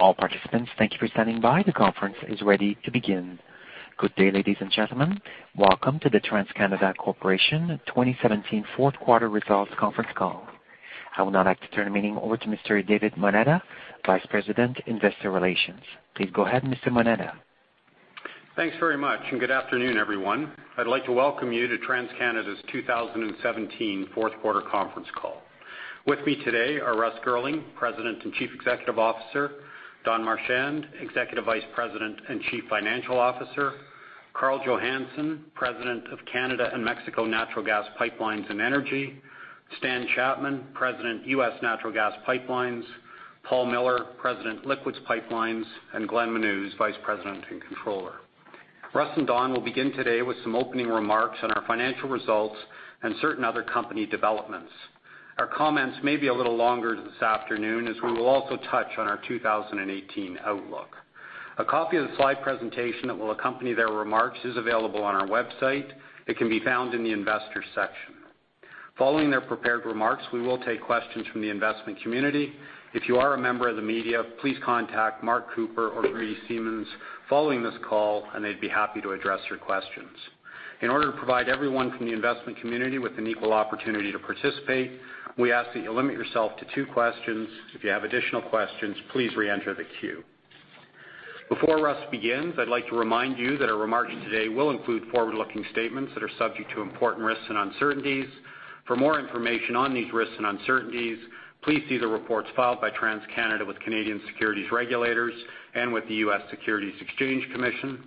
All participants, thank you for standing by. The conference is ready to begin. Good day, ladies and gentlemen. Welcome to the TransCanada Corporation 2017 fourth quarter results conference call. I would now like to turn the meeting over to Mr. David Moneta, Vice President, Investor Relations. Please go ahead, Mr. Moneta. Thanks very much. Good afternoon, everyone. I'd like to welcome you to TransCanada's 2017 fourth quarter conference call. With me today are Russ Girling, President and Chief Executive Officer; Don Marchand, Executive Vice President and Chief Financial Officer; Karl Johannson, President of Canada and Mexico Natural Gas Pipelines and Energy; Stan Chapman, President, U.S. Natural Gas Pipelines; Paul Miller, President, Liquids Pipelines; and Glenn Menuz, Vice President and Controller. Russ and Don will begin today with some opening remarks on our financial results and certain other company developments. Our comments may be a little longer this afternoon, as we will also touch on our 2018 outlook. A copy of the slide presentation that will accompany their remarks is available on our website. It can be found in the Investors section. Following their prepared remarks, we will take questions from the investment community. If you are a member of the media, please contact Mark Cooper or Marie Siemens following this call. They'd be happy to address your questions. In order to provide everyone from the investment community with an equal opportunity to participate, we ask that you limit yourself to two questions. If you have additional questions, please re-enter the queue. Before Russ begins, I'd like to remind you that our remarks today will include forward-looking statements that are subject to important risks and uncertainties. For more information on these risks and uncertainties, please see the reports filed by TransCanada with Canadian securities regulators and with the U.S. Securities and Exchange Commission.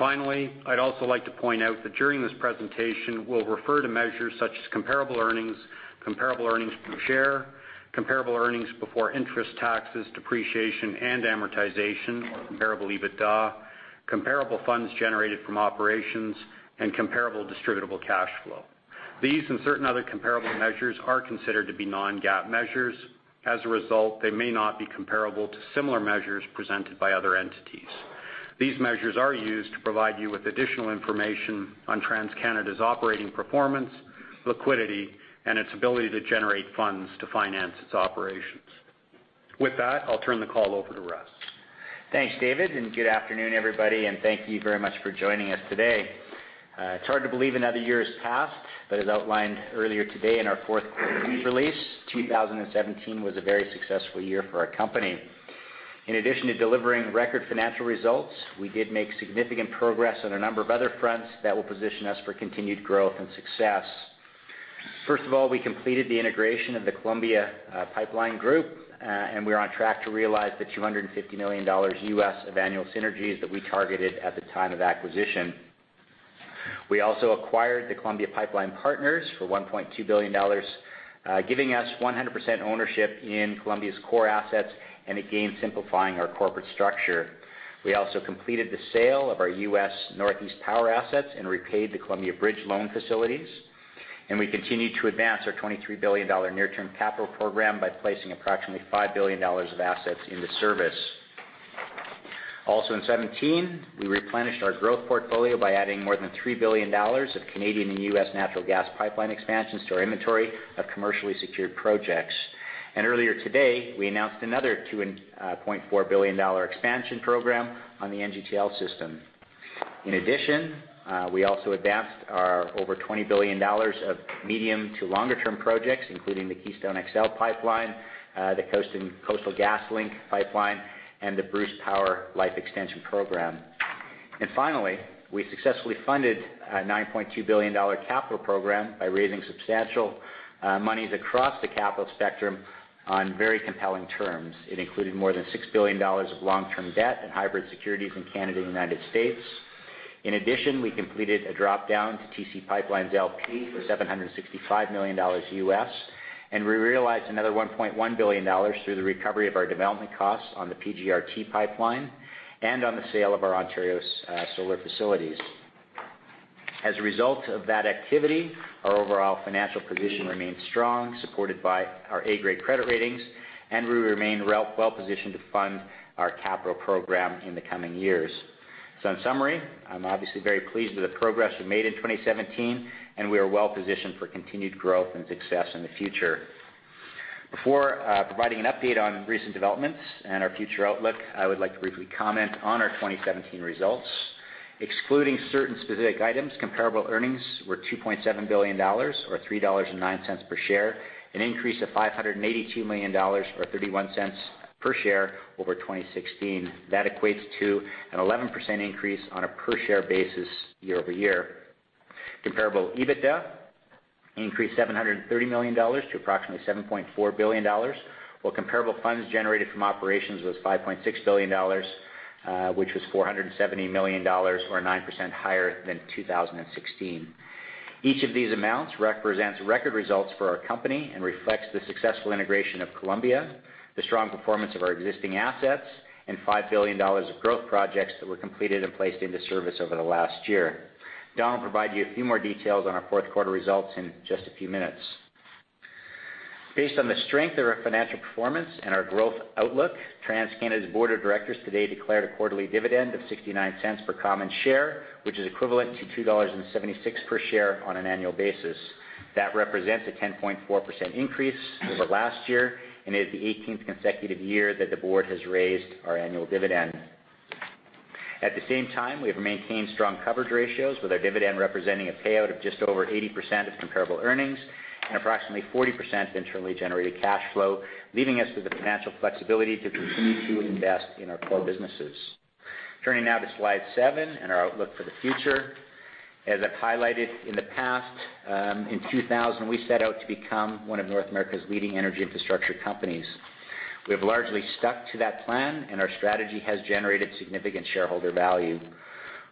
Finally, I'd also like to point out that during this presentation, we'll refer to measures such as comparable earnings, comparable earnings per share, comparable earnings before interest, taxes, depreciation, and amortization, or comparable EBITDA, comparable funds generated from operations, and comparable distributable cash flow. These and certain other comparable measures are considered to be non-GAAP measures. As a result, they may not be comparable to similar measures presented by other entities. These measures are used to provide you with additional information on TransCanada's operating performance, liquidity, and its ability to generate funds to finance its operations. With that, I'll turn the call over to Russ. Thanks, David. Good afternoon, everybody, and thank you very much for joining us today. It's hard to believe another year has passed. As outlined earlier today in our fourth quarter release, 2017 was a very successful year for our company. In addition to delivering record financial results, we did make significant progress on a number of other fronts that will position us for continued growth and success. First of all, we completed the integration of the Columbia Pipeline Group, and we're on track to realize the $250 million of annual synergies that we targeted at the time of acquisition. We also acquired the Columbia Pipeline Partners for $1.2 billion, giving us 100% ownership in Columbia's core assets and again simplifying our corporate structure. We also completed the sale of our US Northeast Power assets and repaid the Columbia Bridge loan facilities. We continued to advance our 23 billion dollar near-term capital program by placing approximately 5 billion dollars of assets into service. Also in 2017, we replenished our growth portfolio by adding more than 3 billion dollars of Canadian and US natural gas pipeline expansions to our inventory of commercially secured projects. Earlier today, we announced another 2.4 billion dollar expansion program on the NGTL system. In addition, we also advanced our over 20 billion dollars of medium to longer-term projects, including the Keystone XL Pipeline, the Coastal GasLink pipeline, and the Bruce Power life extension program. Finally, we successfully funded a 9.2 billion dollar capital program by raising substantial monies across the capital spectrum on very compelling terms. It included more than 6 billion dollars of long-term debt and hybrid securities in Canada and the United States. In addition, we completed a drop-down to TC PipeLines, LP for $765 million, and we realized another 1.1 billion dollars through the recovery of our development costs on the PRGT pipeline and on the sale of our Ontario solar facilities. As a result of that activity, our overall financial position remains strong, supported by our A-grade credit ratings, and we remain well-positioned to fund our capital program in the coming years. In summary, I'm obviously very pleased with the progress we've made in 2017. We are well-positioned for continued growth and success in the future. Before providing an update on recent developments and our future outlook, I would like to briefly comment on our 2017 results. Excluding certain specific items, comparable earnings were 2.7 billion dollars, or 3.09 dollars per share, an increase of 582 million dollars, or 0.31 per share over 2016. That equates to an 11% increase on a per-share basis year-over-year. Comparable EBITDA increased 730 million dollars to approximately 7.4 billion dollars, while comparable funds generated from operations was 5.6 billion dollars, which was 470 million dollars or 9% higher than 2016. Each of these amounts represents record results for our company and reflects the successful integration of Columbia, the strong performance of our existing assets, and 5 billion dollars of growth projects that were completed and placed into service over the last year. Don will provide you a few more details on our fourth quarter results in just a few minutes. Based on the strength of our financial performance and our growth outlook, TransCanada's board of directors today declared a quarterly dividend of 0.69 per common share, which is equivalent to 2.76 dollars per share on an annual basis. That represents a 10.4% increase over last year and is the 18th consecutive year that the board has raised our annual dividend. At the same time, we have maintained strong coverage ratios with our dividend representing a payout of just over 80% of comparable earnings and approximately 40% internally generated cash flow, leaving us with the financial flexibility to continue to invest in our core businesses. Turning now to slide seven and our outlook for the future. As I've highlighted in the past, in 2000, we set out to become one of North America's leading energy infrastructure companies. Our strategy has generated significant shareholder value.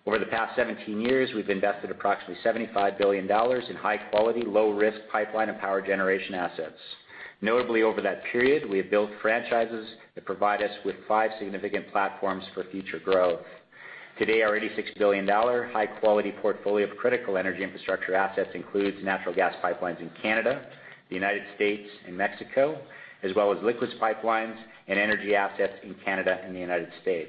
Over the past 17 years, we've invested approximately 75 billion dollars in high-quality, low-risk pipeline and power generation assets. Notably, over that period, we have built franchises that provide us with five significant platforms for future growth. Today, our 86 billion dollar high-quality portfolio of critical energy infrastructure assets includes natural gas pipelines in Canada, the U.S., and Mexico, as well as liquids pipelines and energy assets in Canada and the U.S.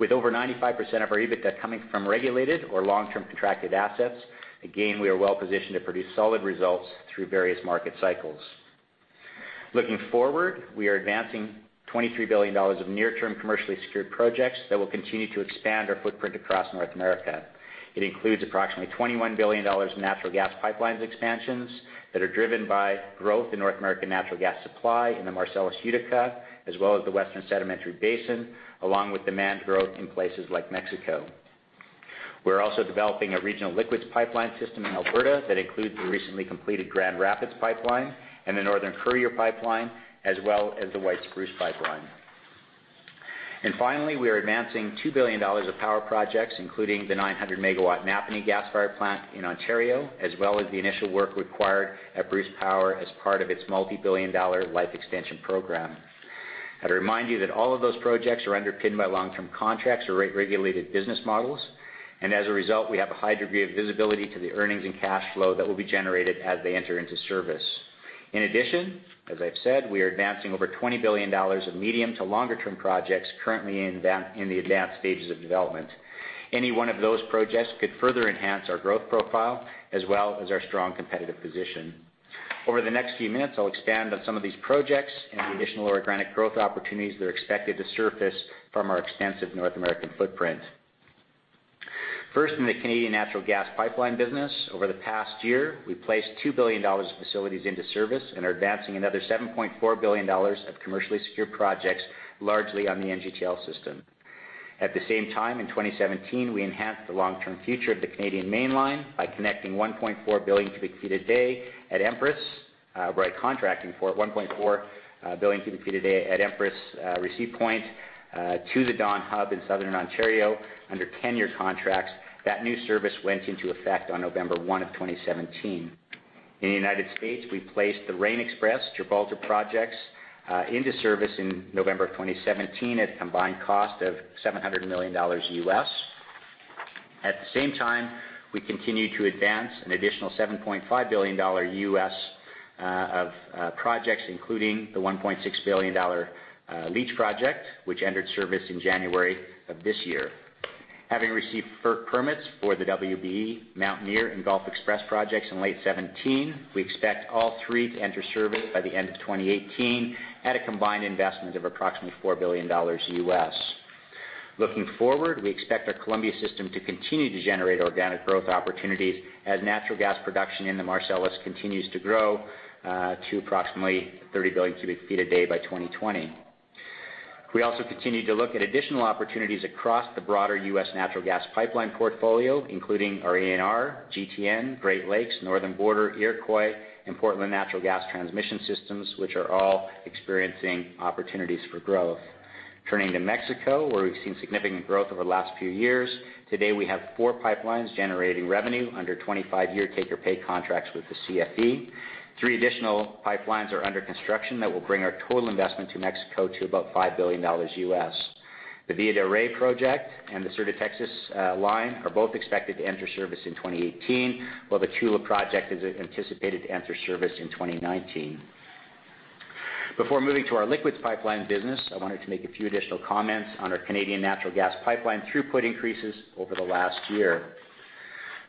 With over 95% of our EBITDA coming from regulated or long-term contracted assets, again, we are well-positioned to produce solid results through various market cycles. Looking forward, we are advancing 23 billion dollars of near-term commercially secured projects that will continue to expand our footprint across North America. It includes approximately 21 billion dollars in natural gas pipelines expansions that are driven by growth in North American natural gas supply in the Marcellus Utica, as well as the Western Canadian Sedimentary Basin, along with demand growth in places like Mexico. We're also developing a regional liquids pipeline system in Alberta that includes the recently completed Grand Rapids pipeline and the Northern Courier pipeline, as well as the White Spruce pipeline. Finally, we are advancing 2 billion dollars of power projects, including the 900-megawatt Napanee gas fire plant in Ontario, as well as the initial work required at Bruce Power as part of its multi-billion-dollar life extension program. I'd remind you that all of those projects are underpinned by long-term contracts or regulated business models, as a result, we have a high degree of visibility to the earnings and cash flow that will be generated as they enter into service. In addition, as I've said, we are advancing over 20 billion dollars of medium to longer-term projects currently in the advanced stages of development. Any one of those projects could further enhance our growth profile as well as our strong competitive position. Over the next few minutes, I'll expand on some of these projects and the additional organic growth opportunities that are expected to surface from our extensive North American footprint. First, in the Canadian natural gas pipeline business, over the past year, we placed 2 billion dollars of facilities into service and are advancing another 7.4 billion dollars of commercially secured projects, largely on the NGTL system. At the same time, in 2017, we enhanced the long-term future of the Canadian Mainline by connecting 1.4 billion cubic feet a day at Empress. We're contracting for 1.4 billion cubic feet a day at Empress receipt point to the Dawn Hub in southern Ontario under 10-year contracts. That new service went into effect on November 1 of 2017. In the U.S., we placed the Rayne XPress Gibraltar projects into service in November of 2017 at a combined cost of $700 million. At the same time, we continued to advance an additional $7.5 billion of projects, including the $1.6 billion Leach XPress project, which entered service in January of this year. Having received FERC permits for the WB XPress, Mountaineer XPress, and Gulf XPress projects in late 2017, we expect all three to enter service by the end of 2018 at a combined investment of approximately $4 billion. Looking forward, we expect our Columbia system to continue to generate organic growth opportunities as natural gas production in the Marcellus continues to grow to approximately 30 billion cubic feet a day by 2020. We also continue to look at additional opportunities across the broader U.S. natural gas pipeline portfolio, including our ANR, GTN, Great Lakes, Northern Border, Iroquois, and Portland natural gas transmission systems, which are all experiencing opportunities for growth. Turning to Mexico, where we've seen significant growth over the last few years, today we have four pipelines generating revenue under 25-year take-or-pay contracts with the CFE. Three additional pipelines are under construction that will bring our total investment to Mexico to about $5 billion. The Villa de Reyes project and the Sur de Texas line are both expected to enter service in 2018, while the Tula project is anticipated to enter service in 2019. Before moving to our liquids pipeline business, I wanted to make a few additional comments on our Canadian natural gas pipeline throughput increases over the last year.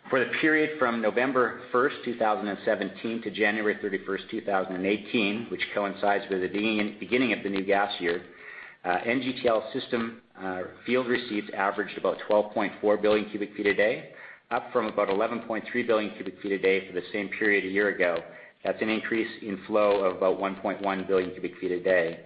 For the period from November 1, 2017 to January 31, 2018, which coincides with the beginning of the new gas year, NGTL system field receipts averaged about 12.4 billion cubic feet a day, up from about 11.3 billion cubic feet a day for the same period a year ago. That's an increase in flow of about 1.1 billion cubic feet a day.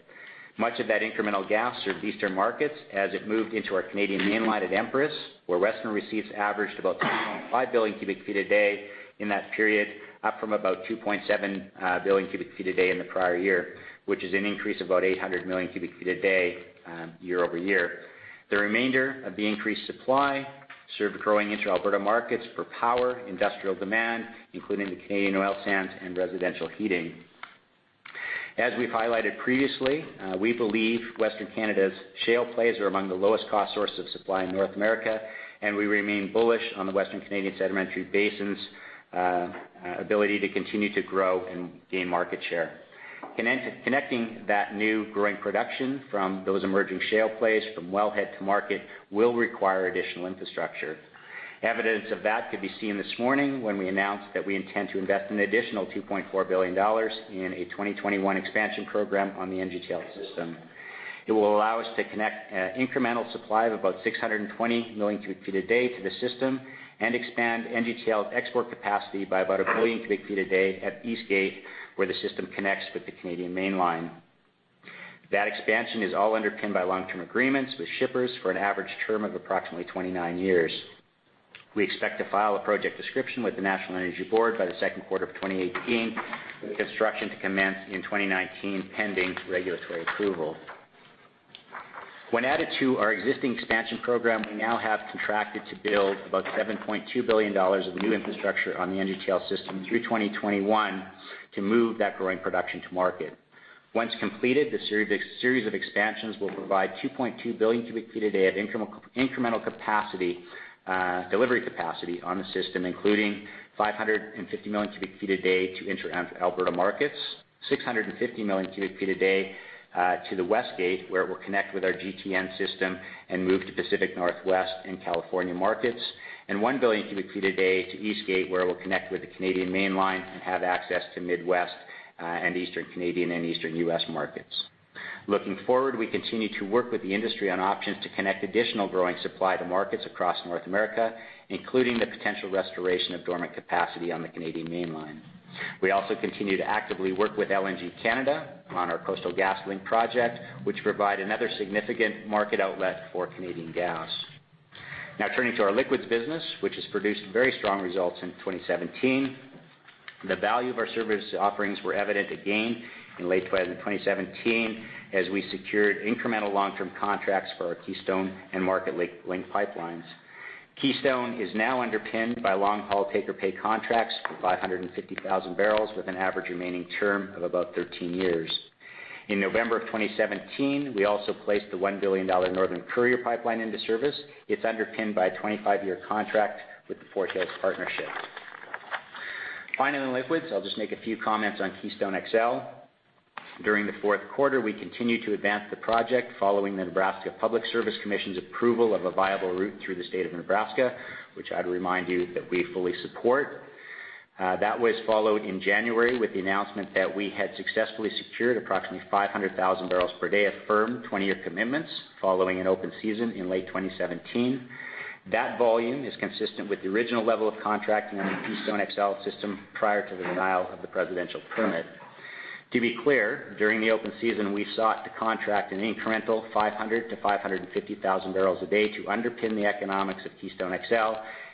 Much of that incremental gas served eastern markets as it moved into our Canadian Mainline at Empress, where western receipts averaged about 2.5 billion cubic feet a day in that period, up from about 2.7 billion cubic feet a day in the prior year, which is an increase of about 800 million cubic feet a day year-over-year. The remainder of the increased supply served growing into Alberta markets for power, industrial demand, including the Canadian oil sands, and residential heating. As we've highlighted previously, we believe Western Canada's shale plays are among the lowest-cost sources of supply in North America, and we remain bullish on the Western Canadian Sedimentary Basin's ability to continue to grow and gain market share. Connecting that new growing production from those emerging shale plays from wellhead to market will require additional infrastructure. Evidence of that could be seen this morning when we announced that we intend to invest an additional 2.4 billion dollars in a 2021 expansion program on the NGTL system. It will allow us to connect incremental supply of about 620 million cubic feet a day to the system and expand NGTL's export capacity by about a billion cubic feet a day at Eastgate, where the system connects with the Canadian Mainline. That expansion is all underpinned by long-term agreements with shippers for an average term of approximately 29 years. We expect to file a project description with the National Energy Board by the second quarter of 2018, with construction to commence in 2019, pending regulatory approval. When added to our existing expansion program, we now have contracted to build about 7.2 billion dollars of new infrastructure on the NGTL system through 2021 to move that growing production to market. Once completed, the series of expansions will provide 2.2 billion cubic feet a day of incremental capacity, delivery capacity on the system, including 550 million cubic feet a day to intra-Alberta markets, 650 million cubic feet a day to the Westgate, where it will connect with our GTN system and move to Pacific Northwest and California markets, and 1 billion cubic feet a day to Eastgate, where it will connect with the Canadian Mainline and have access to Midwest and Eastern Canadian and Eastern U.S. markets. Looking forward, we continue to work with the industry on options to connect additional growing supply to markets across North America, including the potential restoration of dormant capacity on the Canadian Mainline. We also continue to actively work with LNG Canada on our Coastal GasLink project, which provide another significant market outlet for Canadian gas. Turning to our liquids business, which has produced very strong results in 2017. The value of our service offerings were evident again in late 2017 as we secured incremental long-term contracts for our Keystone and Marketlink pipelines. Keystone is now underpinned by long-haul take-or-pay contracts for 550,000 barrels with an average remaining term of about 13 years. In November of 2017, we also placed the 1 billion dollar Northern Courier pipeline into service. It's underpinned by a 25-year contract with the Fort Hills Partnership. Finally, in liquids, I'll just make a few comments on Keystone XL. During the fourth quarter, we continued to advance the project following the Nebraska Public Service Commission's approval of a viable route through the state of Nebraska, which I'd remind you that we fully support. That was followed in January with the announcement that we had successfully secured approximately 500,000 barrels per day of firm 20-year commitments following an open season in late 2017. That volume is consistent with the original level of contracting on the Keystone XL system prior to the denial of the presidential permit. To be clear, during the open season, we sought to contract an incremental 500,000-550,000 barrels a day to underpin the economics of Keystone XL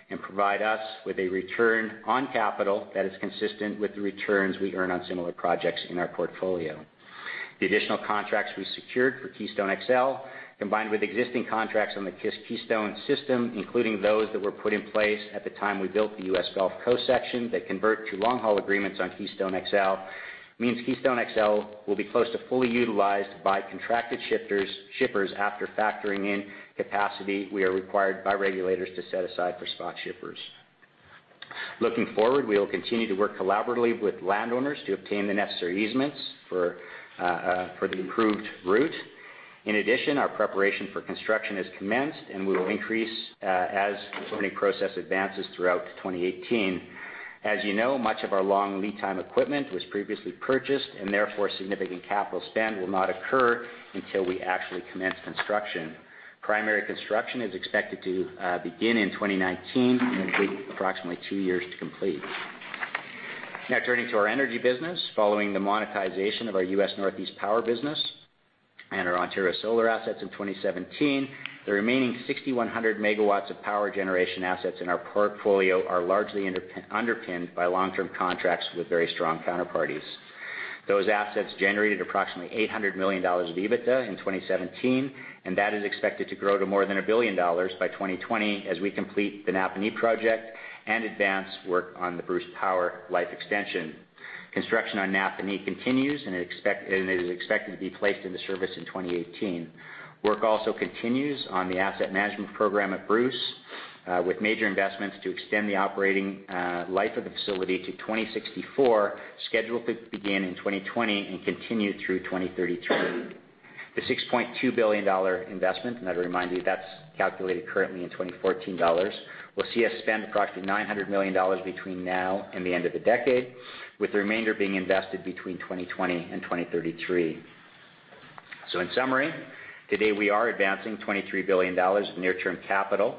and provide us with a return on capital that is consistent with the returns we earn on similar projects in our portfolio. The additional contracts we secured for Keystone XL, combined with existing contracts on the Keystone system, including those that were put in place at the time we built the U.S. Gulf Coast section that convert to long-haul agreements on Keystone XL, means Keystone XL will be close to fully utilized by contracted shippers after factoring in capacity we are required by regulators to set aside for spot shippers. Looking forward, we will continue to work collaboratively with landowners to obtain the necessary easements for the improved route. In addition, our preparation for construction is commenced, and we will increase as the permitting process advances throughout 2018. As you know, much of our long lead time equipment was previously purchased, and therefore, significant capital spend will not occur until we actually commence construction. Primary construction is expected to begin in 2019 and will take approximately two years to complete. Turning to our energy business. Following the monetization of our U.S. Northeast power business and our Ontario solar assets in 2017, the remaining 6,100 megawatts of power generation assets in our portfolio are largely underpinned by long-term contracts with very strong counterparties. Those assets generated approximately 800 million dollars of EBITDA in 2017, and that is expected to grow to more than 1 billion dollars by 2020 as we complete the Napanee project and advance work on the Bruce Power life extension. Construction on Napanee continues, and it is expected to be placed into service in 2018. Work also continues on the asset management program at Bruce, with major investments to extend the operating life of the facility to 2064, scheduled to begin in 2020 and continue through 2033. The 6.2 billion dollar investment, and I'd remind you, that's calculated currently in 2014 dollars, will see us spend approximately 900 million dollars between now and the end of the decade, with the remainder being invested between 2020 and 2033. In summary, today we are advancing 23 billion dollars of near-term capital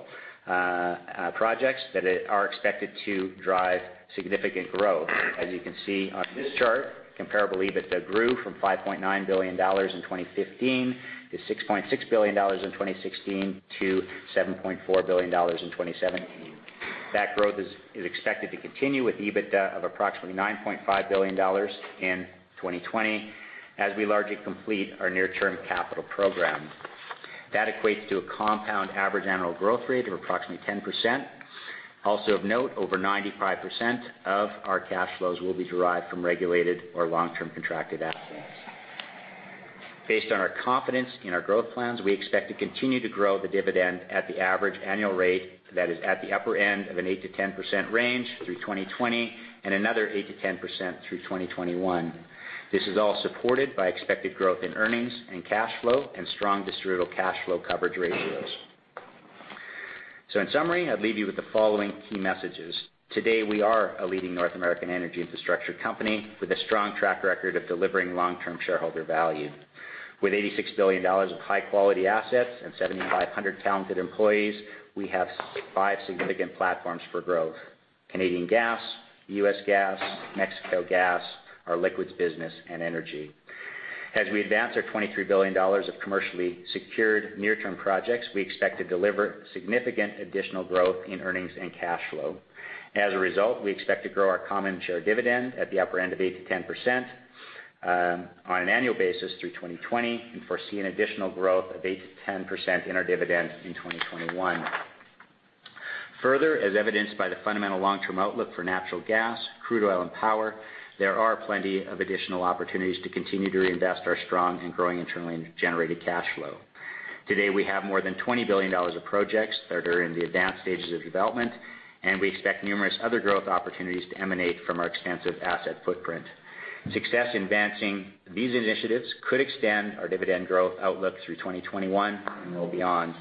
projects that are expected to drive significant growth. As you can see on this chart, comparable EBITDA grew from 5.9 billion dollars in 2015 to 6.6 billion dollars in 2016 to 7.4 billion dollars in 2017. That growth is expected to continue with EBITDA of approximately 9.5 billion dollars in 2020 as we largely complete our near-term capital program. That equates to a compound average annual growth rate of approximately 10%. Also of note, over 95% of our cash flows will be derived from regulated or long-term contracted assets. Based on our confidence in our growth plans, we expect to continue to grow the dividend at the average annual rate that is at the upper end of an 8%-10% range through 2020 and another 8%-10% through 2021. This is all supported by expected growth in earnings and cash flow and strong distributable cash flow coverage ratios. In summary, I'll leave you with the following key messages. Today, we are a leading North American energy infrastructure company with a strong track record of delivering long-term shareholder value. With 86 billion dollars of high-quality assets and 7,500 talented employees, we have five significant platforms for growth; Canadian gas, U.S. gas, Mexico gas, our liquids business, and energy. As we advance our 23 billion dollars of commercially secured near-term projects, we expect to deliver significant additional growth in earnings and cash flow. As a result, we expect to grow our common share dividend at the upper end of 8%-10% on an annual basis through 2020, and foresee an additional growth of 8%-10% in our dividend in 2021. Further, as evidenced by the fundamental long-term outlook for natural gas, crude oil, and power, there are plenty of additional opportunities to continue to reinvest our strong and growing internally generated cash flow. Today, we have more than 20 billion dollars of projects that are in the advanced stages of development, and we expect numerous other growth opportunities to emanate from our extensive asset footprint. Success in advancing these initiatives could extend our dividend growth outlook through 2021 and well beyond.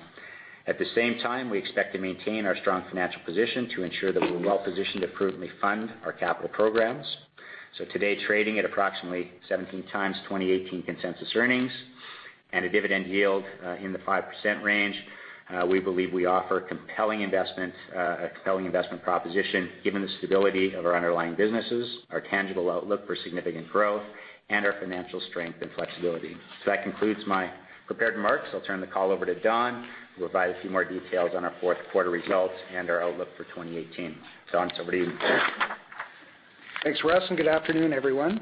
At the same time, we expect to maintain our strong financial position to ensure that we're well-positioned to prudently fund our capital programs. Today, trading at approximately 17 times 2018 consensus earnings and a dividend yield in the 5% range, we believe we offer a compelling investment proposition given the stability of our underlying businesses, our tangible outlook for significant growth, and our financial strength and flexibility. That concludes my prepared remarks. I'll turn the call over to Don who will provide a few more details on our fourth quarter results and our outlook for 2018. Don, it's over to you. Thanks, Russ, and good afternoon, everyone.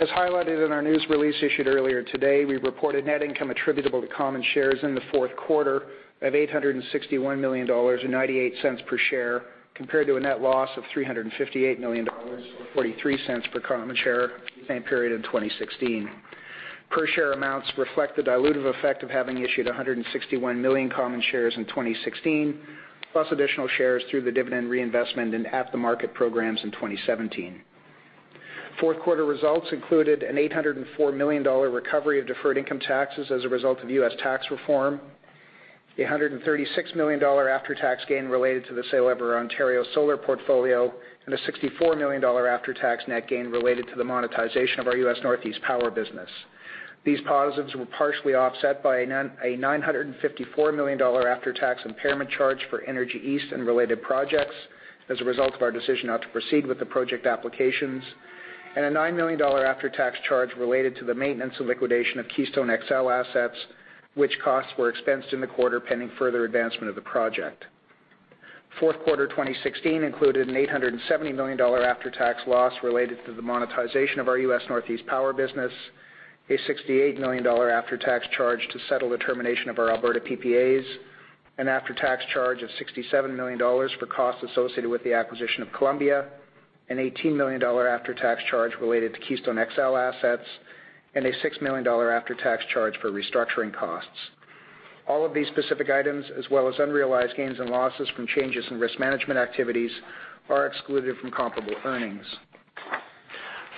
As highlighted in our news release issued earlier today, we reported net income attributable to common shares in the fourth quarter of 861 million dollars or 0.98 per share, compared to a net loss of 358 million dollars or 0.43 per common share same period in 2016. Per share amounts reflect the dilutive effect of having issued 161 million common shares in 2016, plus additional shares through the dividend reinvestment and at-the-market programs in 2017. Fourth quarter results included an $804 million recovery of deferred income taxes as a result of U.S. tax reform, 136 million dollar after-tax gain related to the sale of our Ontario solar portfolio, and a 64 million dollar after-tax net gain related to the monetization of our U.S. Northeast power business. These positives were partially offset by a 954 million dollar after-tax impairment charge for Energy East and related projects as a result of our decision not to proceed with the project applications, and a 9 million dollar after-tax charge related to the maintenance and liquidation of Keystone XL assets, which costs were expensed in the quarter pending further advancement of the project. Fourth quarter 2016 included a 870 million dollar after-tax loss related to the monetization of our U.S. Northeast power business, a 68 million dollar after-tax charge to settle the termination of our Alberta PPAs, an after-tax charge of 67 million dollars for costs associated with the acquisition of Columbia, a 18 million dollar after-tax charge related to Keystone XL assets, and a 6 million dollar after-tax charge for restructuring costs. All of these specific items, as well as unrealized gains and losses from changes in risk management activities, are excluded from comparable earnings.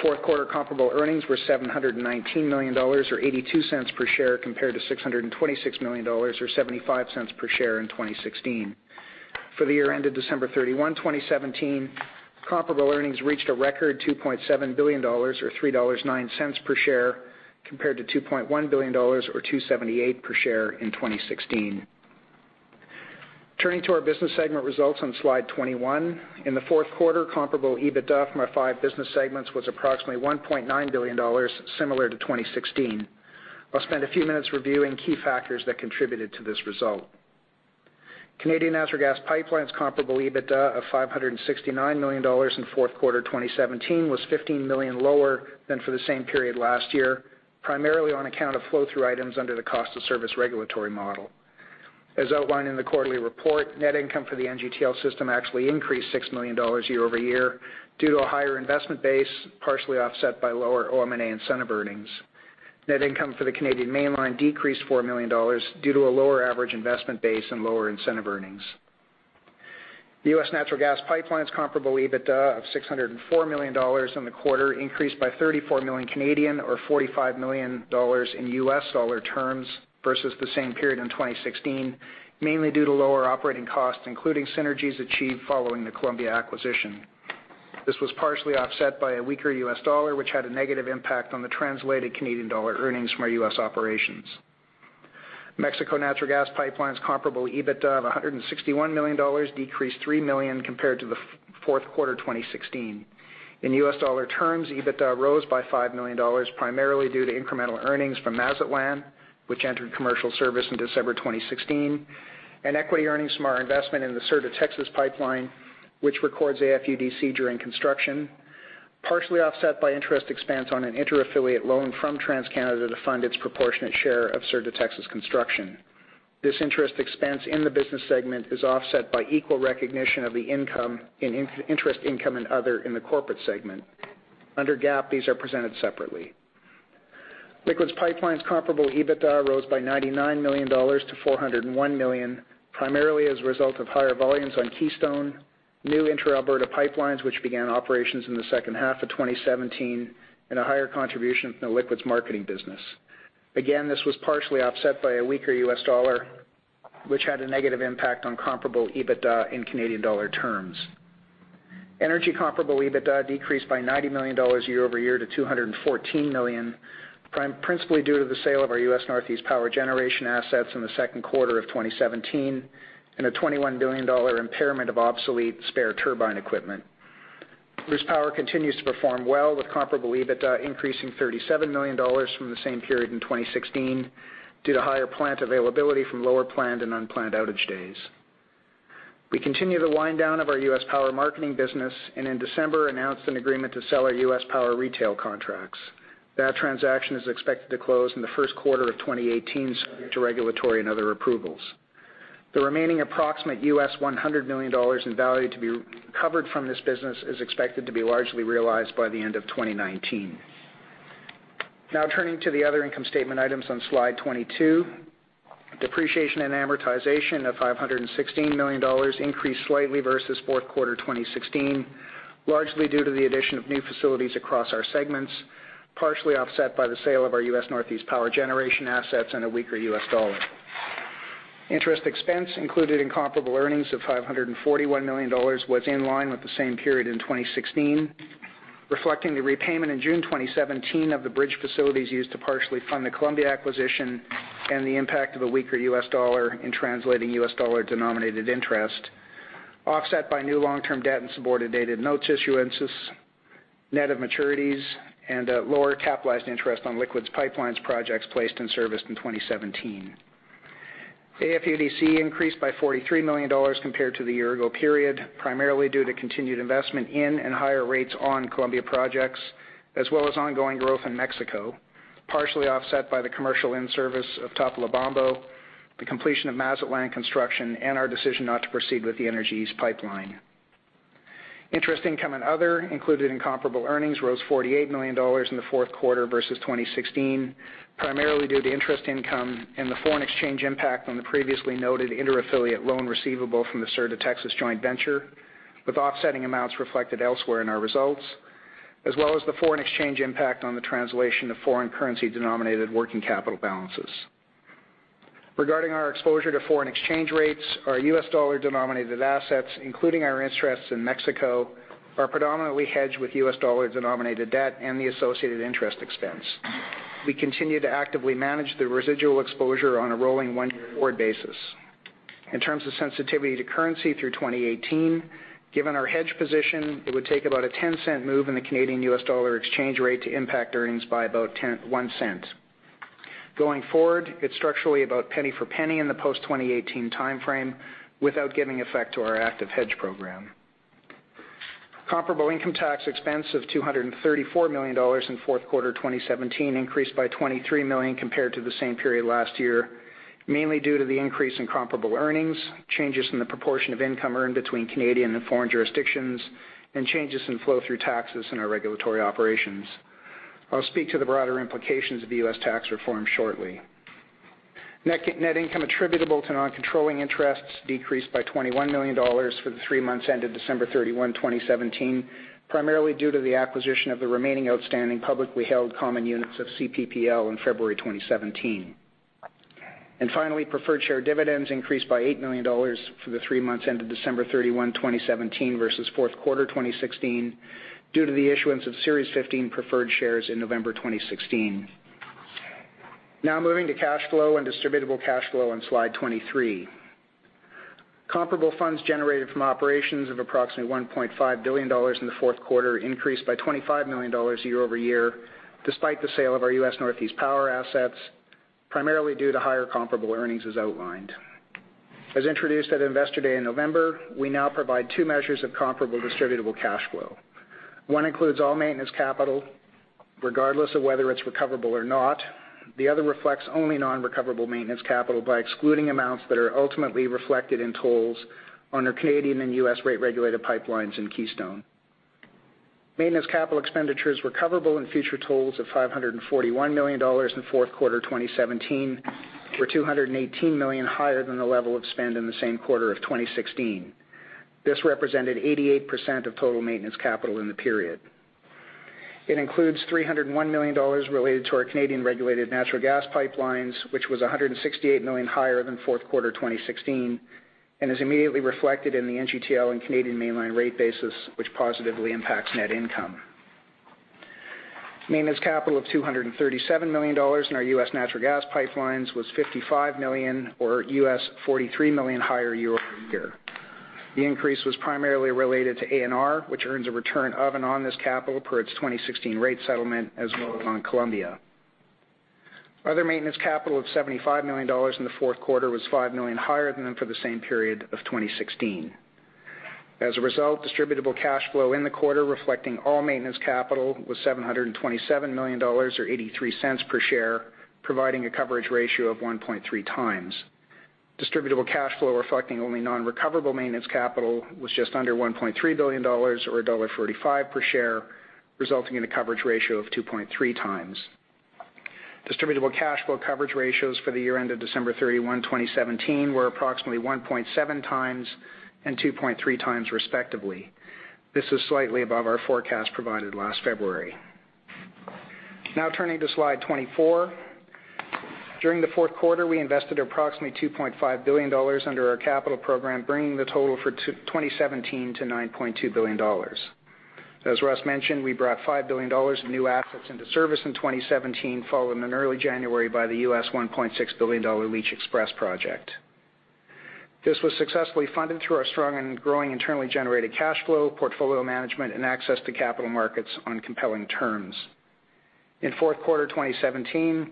Fourth quarter comparable earnings were 719 million dollars, or 0.82 per share, compared to 626 million dollars or 0.75 per share in 2016. For the year ended December 31, 2017, comparable earnings reached a record 2.7 billion dollars or 3.09 dollars per share, compared to 2.1 billion dollars or 2.78 per share in 2016. Turning to our business segment results on slide 21. In the fourth quarter, comparable EBITDA from our five business segments was approximately 1.9 billion dollars, similar to 2016. I'll spend a few minutes reviewing key factors that contributed to this result. Canadian Natural Gas Pipelines comparable EBITDA of 569 million dollars in fourth quarter 2017 was 15 million lower than for the same period last year, primarily on account of flow-through items under the cost of service regulatory model. As outlined in the quarterly report, net income for the NGTL system actually increased 6 million dollars year-over-year due to a higher investment base, partially offset by lower OM&A incentive earnings. Net income for the Canadian Mainline decreased 4 million dollars due to a lower average investment base and lower incentive earnings. U.S. Natural Gas Pipelines comparable EBITDA of 604 million dollars in the quarter increased by 34 million Canadian dollars or $45 million versus the same period in 2016, mainly due to lower operating costs, including synergies achieved following the Columbia acquisition. This was partially offset by a weaker U.S. dollar, which had a negative impact on the translated Canadian dollar earnings from our U.S. operations. Mexico Natural Gas Pipelines comparable EBITDA of 161 million dollars decreased three million compared to the fourth quarter 2016. In U.S. dollar terms, EBITDA rose by $5 million, primarily due to incremental earnings from Mazatlán, which entered commercial service in December 2016, and equity earnings from our investment in the Sur de Texas pipeline, which records AFUDC during construction, partially offset by interest expense on an intra-affiliate loan from TransCanada to fund its proportionate share of Sur de Texas construction. This interest expense in the business segment is offset by equal recognition of the income in interest income and other in the corporate segment. Under GAAP, these are presented separately. Liquids Pipelines comparable EBITDA rose by 99 million dollars to 401 million, primarily as a result of higher volumes on Keystone new intra-Alberta pipelines, which began operations in the second half of 2017, and a higher contribution from the liquids marketing business. Again, this was partially offset by a weaker U.S. dollar, which had a negative impact on comparable EBITDA in Canadian dollar terms. Energy comparable EBITDA decreased by 90 million dollars year-over-year to 214 million, principally due to the sale of our U.S. Northeast power generation assets in the second quarter of 2017 and a 21 million dollar impairment of obsolete spare turbine equipment. This power continues to perform well, with comparable EBITDA increasing 37 million dollars from the same period in 2016 due to higher plant availability from lower planned and unplanned outage days. We continue the wind down of our U.S. power marketing business, and in December, announced an agreement to sell our U.S. power retail contracts. That transaction is expected to close in the first quarter of 2018, subject to regulatory and other approvals. The remaining approximate $100 million in value to be recovered from this business is expected to be largely realized by the end of 2019. Turning to the other income statement items on slide 22. Depreciation and amortization of 516 million dollars increased slightly versus fourth quarter 2016, largely due to the addition of new facilities across our segments, partially offset by the sale of our U.S. Northeast power generation assets and a weaker U.S. dollar. Interest expense included in comparable earnings of 541 million dollars was in line with the same period in 2016, reflecting the repayment in June 2017 of the bridge facilities used to partially fund the Columbia acquisition and the impact of a weaker U.S. dollar in translating U.S. dollar-denominated interest, offset by new long-term debt and subordinated notes issuances, net of maturities, and lower capitalized interest on liquids pipelines projects placed in service in 2017. AFUDC increased by 43 million dollars compared to the year-ago period, primarily due to continued investment in and higher rates on Columbia projects, as well as ongoing growth in Mexico, partially offset by the commercial in-service of Topolobampo, the completion of Mazatlán construction, and our decision not to proceed with the Energy East Pipeline. Interest income and other included in comparable earnings rose 48 million dollars in the fourth quarter versus 2016, primarily due to interest income and the foreign exchange impact on the previously noted inter-affiliate loan receivable from the Sur de Texas joint venture, with offsetting amounts reflected elsewhere in our results, as well as the foreign exchange impact on the translation of foreign currency-denominated working capital balances. Regarding our exposure to foreign exchange rates, our U.S. dollar-denominated assets, including our interests in Mexico, are predominantly hedged with U.S. dollar-denominated debt and the associated interest expense. We continue to actively manage the residual exposure on a rolling one-year forward basis. In terms of sensitivity to currency through 2018, given our hedge position, it would take about a 0.10 move in the Canadian U.S. dollar exchange rate to impact earnings by about 0.01. Going forward, it's structurally about penny for penny in the post-2018 timeframe without giving effect to our active hedge program. Comparable income tax expense of 234 million dollars in fourth quarter 2017 increased by 23 million compared to the same period last year, mainly due to the increase in comparable earnings, changes in the proportion of income earned between Canadian and foreign jurisdictions, and changes in flow-through taxes in our regulatory operations. I'll speak to the broader implications of the U.S. tax reform shortly. Net income attributable to non-controlling interests decreased by 21 million dollars for the three months ended December 31, 2017, primarily due to the acquisition of the remaining outstanding publicly held common units of CPPL in February 2017. Finally, preferred share dividends increased by 8 million dollars for the three months ended December 31, 2017 versus fourth quarter 2016 due to the issuance of Series 15 preferred shares in November 2016. Moving to cash flow and distributable cash flow on slide 23. Comparable funds generated from operations of approximately 1.5 billion dollars in the fourth quarter increased by 25 million dollars year-over-year despite the sale of our U.S. Northeast power assets, primarily due to higher comparable earnings as outlined. As introduced at Investor Day in November, we now provide two measures of comparable distributable cash flow. One includes all maintenance capital, regardless of whether it's recoverable or not. The other reflects only non-recoverable maintenance capital by excluding amounts that are ultimately reflected in tolls on our Canadian and U.S. rate regulator pipelines in Keystone. Maintenance capital expenditures recoverable in future tolls of 541 million dollars in fourth quarter 2017 were 218 million higher than the level of spend in the same quarter of 2016. This represented 88% of total maintenance capital in the period. It includes 301 million dollars related to our Canadian regulated natural gas pipelines, which was 168 million higher than fourth quarter 2016 and is immediately reflected in the NGTL and Canadian Mainline rate basis, which positively impacts net income. Maintenance capital of 237 million dollars in our U.S. natural gas pipelines was 55 million or $43 million higher year-over-year. The increase was primarily related to ANR, which earns a return of and on this capital per its 2016 rate settlement as well as on Columbia. Other maintenance capital of 75 million dollars in the fourth quarter was 5 million higher than for the same period of 2016. As a result, distributable cash flow in the quarter reflecting all maintenance capital was 727 million dollars or 0.83 per share, providing a coverage ratio of 1.3 times. Distributable cash flow reflecting only non-recoverable maintenance capital was just under 1.3 billion dollars or dollar 1.45 per share, resulting in a coverage ratio of 2.3 times. Distributable cash flow coverage ratios for the year end of December 31, 2017, were approximately 1.7 times and 2.3 times respectively. This is slightly above our forecast provided last February. Turning to slide 24. During the fourth quarter, we invested approximately 2.5 billion dollars under our capital program, bringing the total for 2017 to 9.2 billion dollars. As Russ mentioned, we brought 5 billion dollars of new assets into service in 2017, followed in early January by the $1.6 billion Leach XPress project. This was successfully funded through our strong and growing internally generated cash flow, portfolio management, and access to capital markets on compelling terms. In fourth quarter 2017,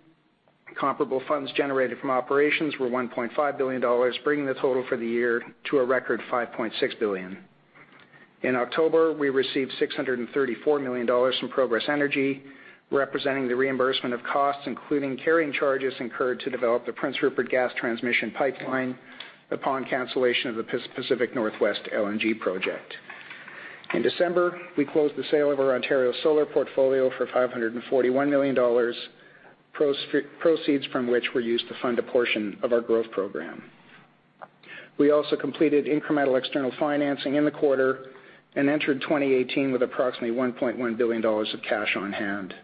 comparable funds generated from operations were 1.5 billion dollars, bringing the total for the year to a record 5.6 billion. In October, we received 634 million dollars from Progress Energy, representing the reimbursement of costs, including carrying charges incurred to develop the Prince Rupert Gas Transmission Pipeline upon cancellation of the Pacific NorthWest LNG project. In December, we closed the sale of our Ontario solar portfolio for 541 million dollars, proceeds from which were used to fund a portion of our growth program. We also completed incremental external financing in the quarter and entered 2018 with approximately 1.1 billion dollars of cash on hand.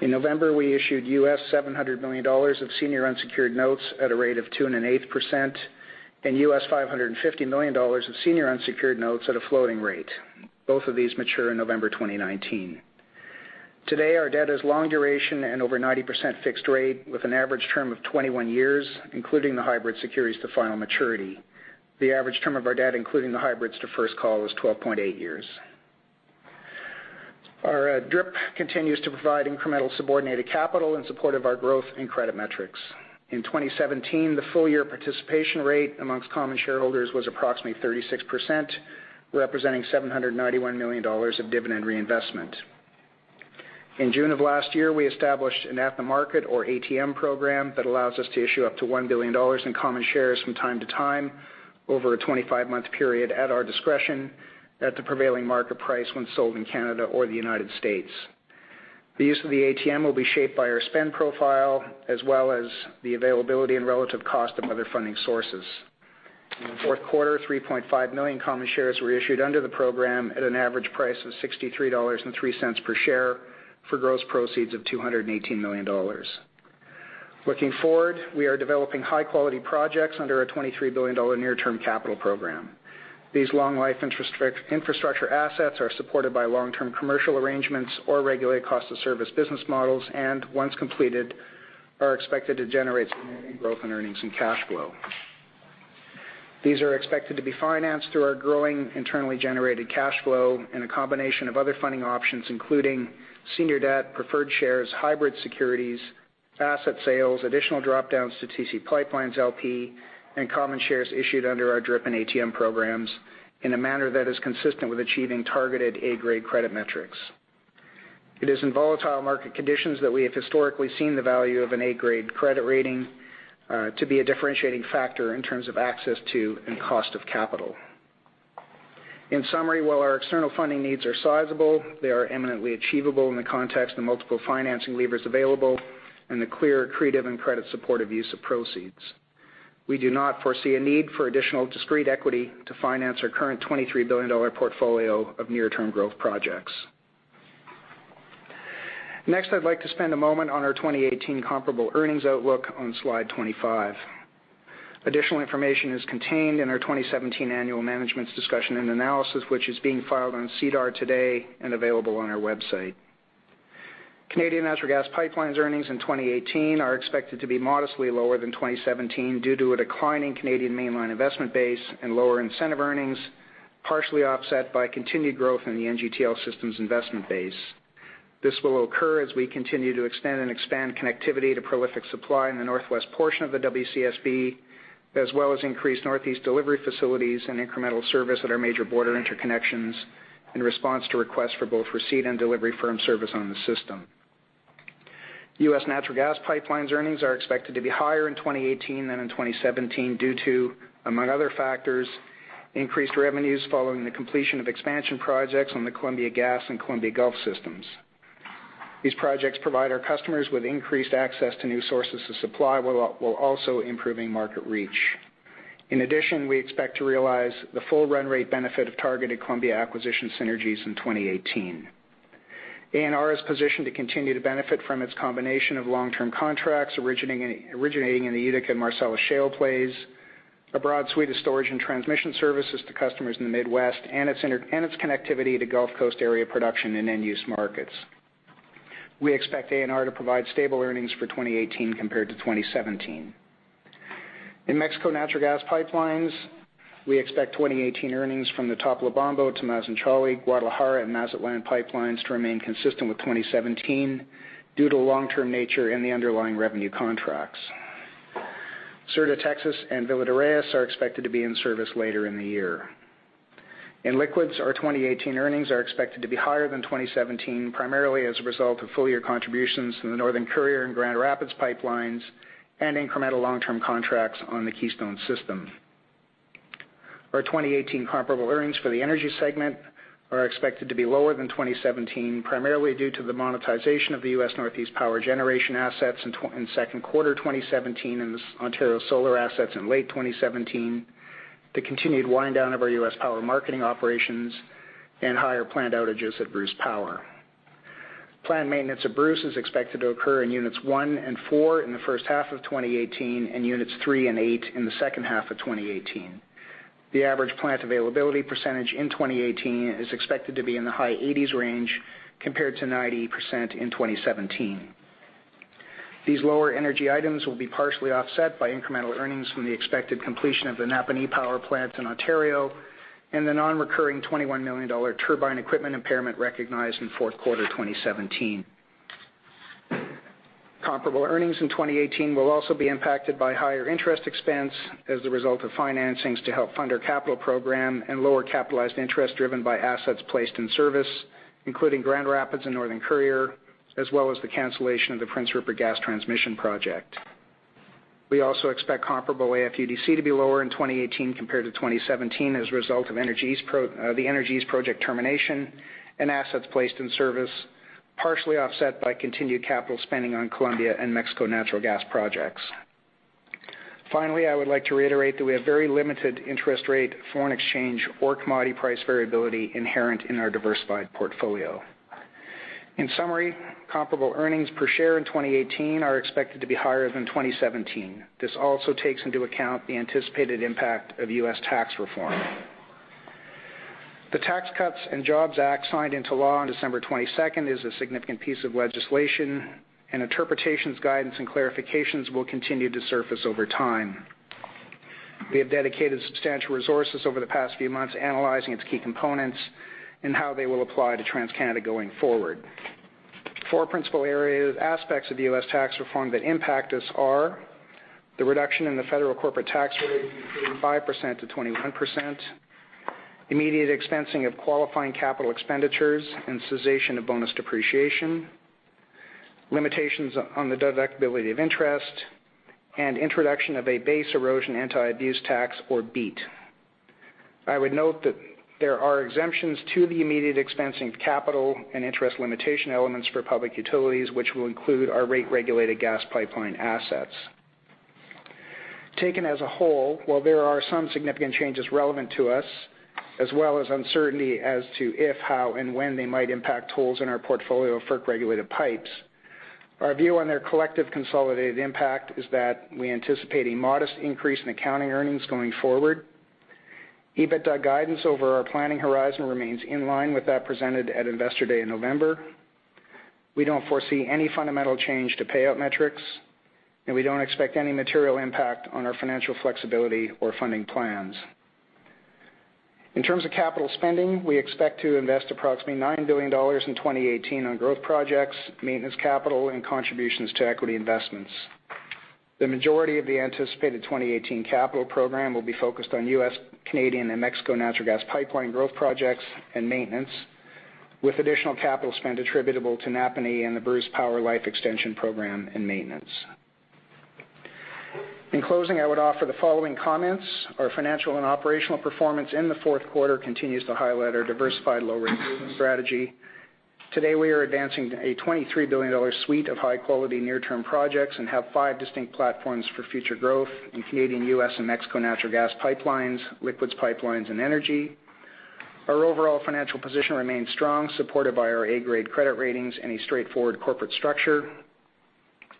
In November, we issued $700 million of senior unsecured notes at a rate of 2.8% and $550 million of senior unsecured notes at a floating rate. Both of these mature in November 2019. Today, our debt is long duration and over 90% fixed rate with an average term of 21 years, including the hybrid securities to final maturity. The average term of our debt, including the hybrids to first call, is 12.8 years. Our DRIP continues to provide incremental subordinated capital in support of our growth and credit metrics. In 2017, the full-year participation rate amongst common shareholders was approximately 36%, representing 791 million dollars of dividend reinvestment. In June of last year, we established an at-the-market or ATM program that allows us to issue up to 1 billion dollars in common shares from time to time over a 25-month period at our discretion at the prevailing market price when sold in Canada or the U.S. The use of the ATM will be shaped by our spend profile, as well as the availability and relative cost of other funding sources. In the fourth quarter, 3.5 million common shares were issued under the program at an average price of 63.03 dollars per share for gross proceeds of 218 million dollars. Looking forward, we are developing high-quality projects under a 23 billion dollar near-term capital program. These long-life infrastructure assets are supported by long-term commercial arrangements or regulated cost-of-service business models, and once completed, are expected to generate significant growth in earnings and cash flow. These are expected to be financed through our growing internally generated cash flow and a combination of other funding options, including senior debt, preferred shares, hybrid securities, asset sales, additional drop-downs to TC PipeLines, LP, and common shares issued under our DRIP and ATM programs in a manner that is consistent with achieving targeted A-grade credit metrics. It is in volatile market conditions that we have historically seen the value of an A-grade credit rating to be a differentiating factor in terms of access to and cost of capital. In summary, while our external funding needs are sizable, they are imminently achievable in the context of the multiple financing levers available and the clear accretive and credit-supportive use of proceeds. We do not foresee a need for additional discrete equity to finance our current 23 billion dollar portfolio of near-term growth projects. Next, I'd like to spend a moment on our 2018 comparable earnings outlook on slide 25. Additional information is contained in our 2017 Annual Management's Discussion and Analysis, which is being filed on SEDAR today and available on our website. Canadian natural gas pipelines earnings in 2018 are expected to be modestly lower than 2017 due to a decline in Canadian Mainline investment base and lower incentive earnings, partially offset by continued growth in the NGTL system's investment base. This will occur as we continue to extend and expand connectivity to prolific supply in the northwest portion of the WCSB, as well as increased northeast delivery facilities and incremental service at our major border interconnections in response to requests for both receipt and delivery firm service on the system. U.S. natural gas pipelines earnings are expected to be higher in 2018 than in 2017 due to, among other factors, increased revenues following the completion of expansion projects on the Columbia Gas and Columbia Gulf systems. These projects provide our customers with increased access to new sources of supply while also improving market reach. In addition, we expect to realize the full run rate benefit of targeted Columbia acquisition synergies in 2018. ANR is positioned to continue to benefit from its combination of long-term contracts originating in the Utica and Marcellus shale plays, a broad suite of storage and transmission services to customers in the Midwest, and its connectivity to Gulf Coast area production and end-use markets. We expect ANR to provide stable earnings for 2018 compared to 2017. In Mexico natural gas pipelines, we expect 2018 earnings from the Topolobampo to Mazatlán, Guadalajara and Mazatlán pipelines to remain consistent with 2017 due to long-term nature in the underlying revenue contracts. Sur de Texas and Villa de Reyes are expected to be in service later in the year. In liquids, our 2018 earnings are expected to be higher than 2017, primarily as a result of full-year contributions from the Northern Courier and Grand Rapids pipelines and incremental long-term contracts on the Keystone system. Our 2018 comparable earnings for the energy segment are expected to be lower than 2017, primarily due to the monetization of the U.S. Northeast power generation assets in second quarter 2017 and the Ontario solar assets in late 2017, the continued wind-down of our U.S. power marketing operations, and higher plant outages at Bruce Power. Planned maintenance at Bruce is expected to occur in units 1 and 4 in the first half of 2018, and units 3 and 8 in the second half of 2018. The average plant availability percentage in 2018 is expected to be in the high 80s range, compared to 90% in 2017. These lower energy items will be partially offset by incremental earnings from the expected completion of the Napanee power plant in Ontario and the non-recurring 21 million dollar turbine equipment impairment recognized in fourth quarter 2017. Comparable earnings in 2018 will also be impacted by higher interest expense as the result of financings to help fund our capital program and lower capitalized interest driven by assets placed in service, including Grand Rapids and Northern Courier, as well as the cancellation of the Prince Rupert Gas Transmission project. We also expect comparable AFUDC to be lower in 2018 compared to 2017 as a result of the Energy East project termination and assets placed in service, partially offset by continued capital spending on Columbia and Mexico natural gas projects. Finally, I would like to reiterate that we have very limited interest rate, foreign exchange, or commodity price variability inherent in our diversified portfolio. In summary, comparable earnings per share in 2018 are expected to be higher than 2017. This also takes into account the anticipated impact of U.S. tax reform. The Tax Cuts and Jobs Act signed into law on December 22nd is a significant piece of legislation, and interpretations, guidance, and clarifications will continue to surface over time. We have dedicated substantial resources over the past few months analyzing its key components and how they will apply to TransCanada going forward. Four principal aspects of the U.S. tax reform that impact us are the reduction in the federal corporate tax rate from 35% to 21%, immediate expensing of qualifying capital expenditures and cessation of bonus depreciation, limitations on the deductibility of interest, and introduction of a Base Erosion and Anti-Abuse Tax or BEAT. I would note that there are exemptions to the immediate expensing of capital and interest limitation elements for public utilities, which will include our rate-regulated gas pipeline assets. Taken as a whole, while there are some significant changes relevant to us, as well as uncertainty as to if, how, and when they might impact tolls in our portfolio of FERC-regulated pipes, our view on their collective consolidated impact is that we anticipate a modest increase in accounting earnings going forward. EBITDA guidance over our planning horizon remains in line with that presented at Investor Day in November. We don't foresee any fundamental change to payout metrics, and we don't expect any material impact on our financial flexibility or funding plans. In terms of capital spending, we expect to invest approximately 9 billion dollars in 2018 on growth projects, maintenance capital, and contributions to equity investments. The majority of the anticipated 2018 capital program will be focused on U.S., Canadian, and Mexico natural gas pipeline growth projects and maintenance, with additional capital spend attributable to Napanee and the Bruce Power life extension program and maintenance. In closing, I would offer the following comments. Our financial and operational performance in the fourth quarter continues to highlight our diversified, low-risk business strategy. Today, we are advancing a 23 billion dollar suite of high-quality near-term projects and have five distinct platforms for future growth in Canadian, U.S., and Mexico natural gas pipelines, liquids pipelines, and energy. Our overall financial position remains strong, supported by our A-grade credit ratings and a straightforward corporate structure.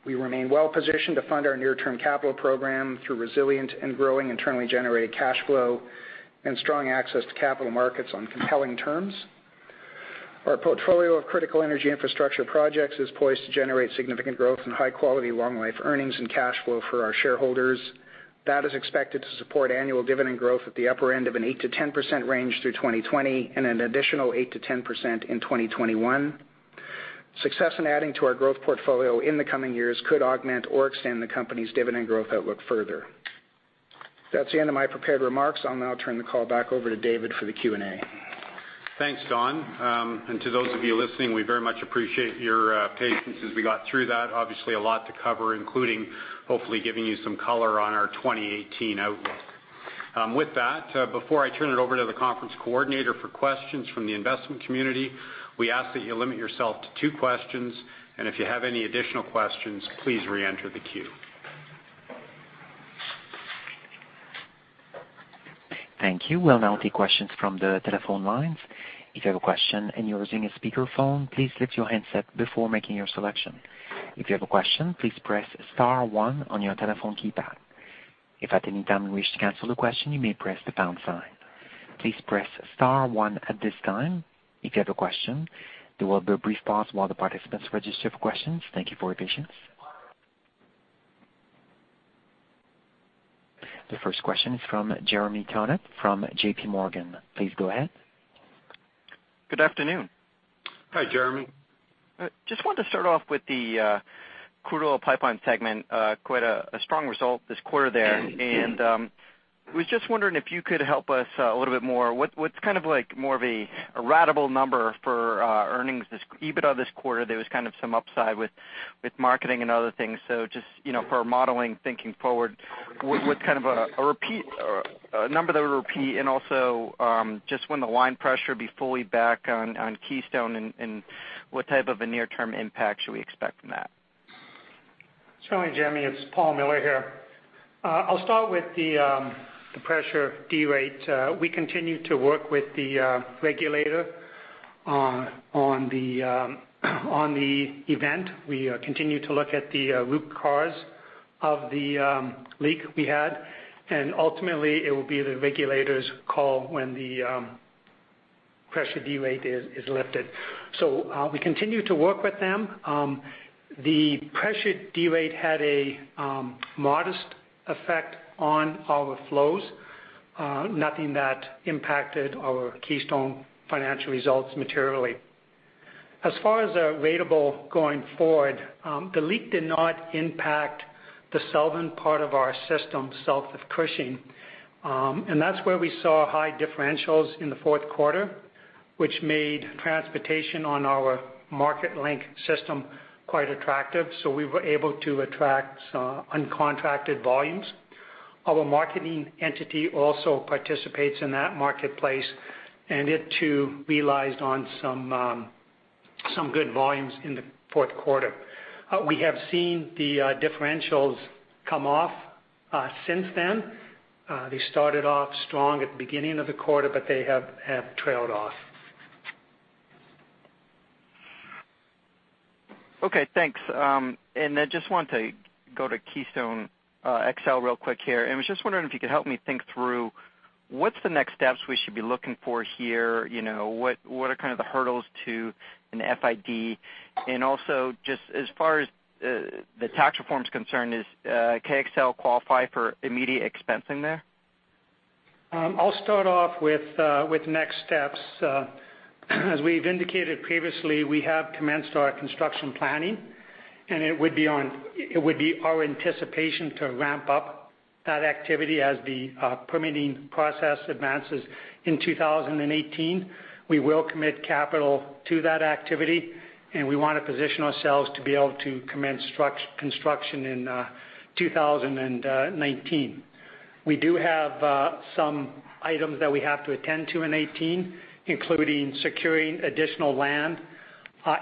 We remain well-positioned to fund our near-term capital program through resilient and growing internally generated cash flow and strong access to capital markets on compelling terms. Our portfolio of critical energy infrastructure projects is poised to generate significant growth and high-quality, long-life earnings and cash flow for our shareholders. That is expected to support annual dividend growth at the upper end of an 8%-10% range through 2020 and an additional 8%-10% in 2021. Success in adding to our growth portfolio in the coming years could augment or extend the company's dividend growth outlook further. That's the end of my prepared remarks. I'll now turn the call back over to David for the Q&A. Thanks, Don. To those of you listening, we very much appreciate your patience as we got through that. Obviously a lot to cover, including hopefully giving you some color on our 2018 outlook. With that, before I turn it over to the conference coordinator for questions from the investment community, we ask that you limit yourself to two questions. If you have any additional questions, please re-enter the queue. Thank you. We'll now take questions from the telephone lines. If you have a question and you're using a speakerphone, please lift your handset before making your selection. If you have a question, please press *1 on your telephone keypad. If at any time you wish to cancel the question, you may press the # sign. Please press *1 at this time if you have a question. There will be a brief pause while the participants register for questions. Thank you for your patience. The first question is from Jeremy Tonet from JPMorgan. Please go ahead. Good afternoon. Hi, Jeremy Just wanted to start off with the crude oil pipeline segment. Quite a strong result this quarter there. Was just wondering if you could help us a little bit more, what's more of a ratable number for earnings, EBITDA this quarter? There was some upside with marketing and other things. Just for modeling, thinking forward, what's a number that would repeat, and also just when the line pressure would be fully back on Keystone, and what type of a near-term impact should we expect from that? Certainly, Jeremy. It's Paul Miller here. I'll start with the pressure derate. We continue to work with the regulator on the event. We continue to look at the root cause of the leak we had, and ultimately, it will be the regulator's call when the pressure derate is lifted. We continue to work with them. The pressure derate had a modest effect on our flows. Nothing that impacted our Keystone financial results materially. As far as ratable going forward, the leak did not impact the southern part of our system, south of Cushing. That's where we saw high differentials in the fourth quarter, which made transportation on our Marketlink system quite attractive. We were able to attract some uncontracted volumes. Our marketing entity also participates in that marketplace, and it too realized on some good volumes in the fourth quarter. We have seen the differentials come off since then. They started off strong at the beginning of the quarter, they have trailed off. Okay, thanks. I just want to go to Keystone XL real quick here, was just wondering if you could help me think through what's the next steps we should be looking for here. What are the hurdles to an FID? Also just as far as the tax reform's concerned, can XL qualify for immediate expensing there? I'll start off with next steps. As we've indicated previously, we have commenced our construction planning, and it would be our anticipation to ramp up that activity as the permitting process advances in 2018. We will commit capital to that activity, and we want to position ourselves to be able to commence construction in 2019. We do have some items that we have to attend to in 2018, including securing additional land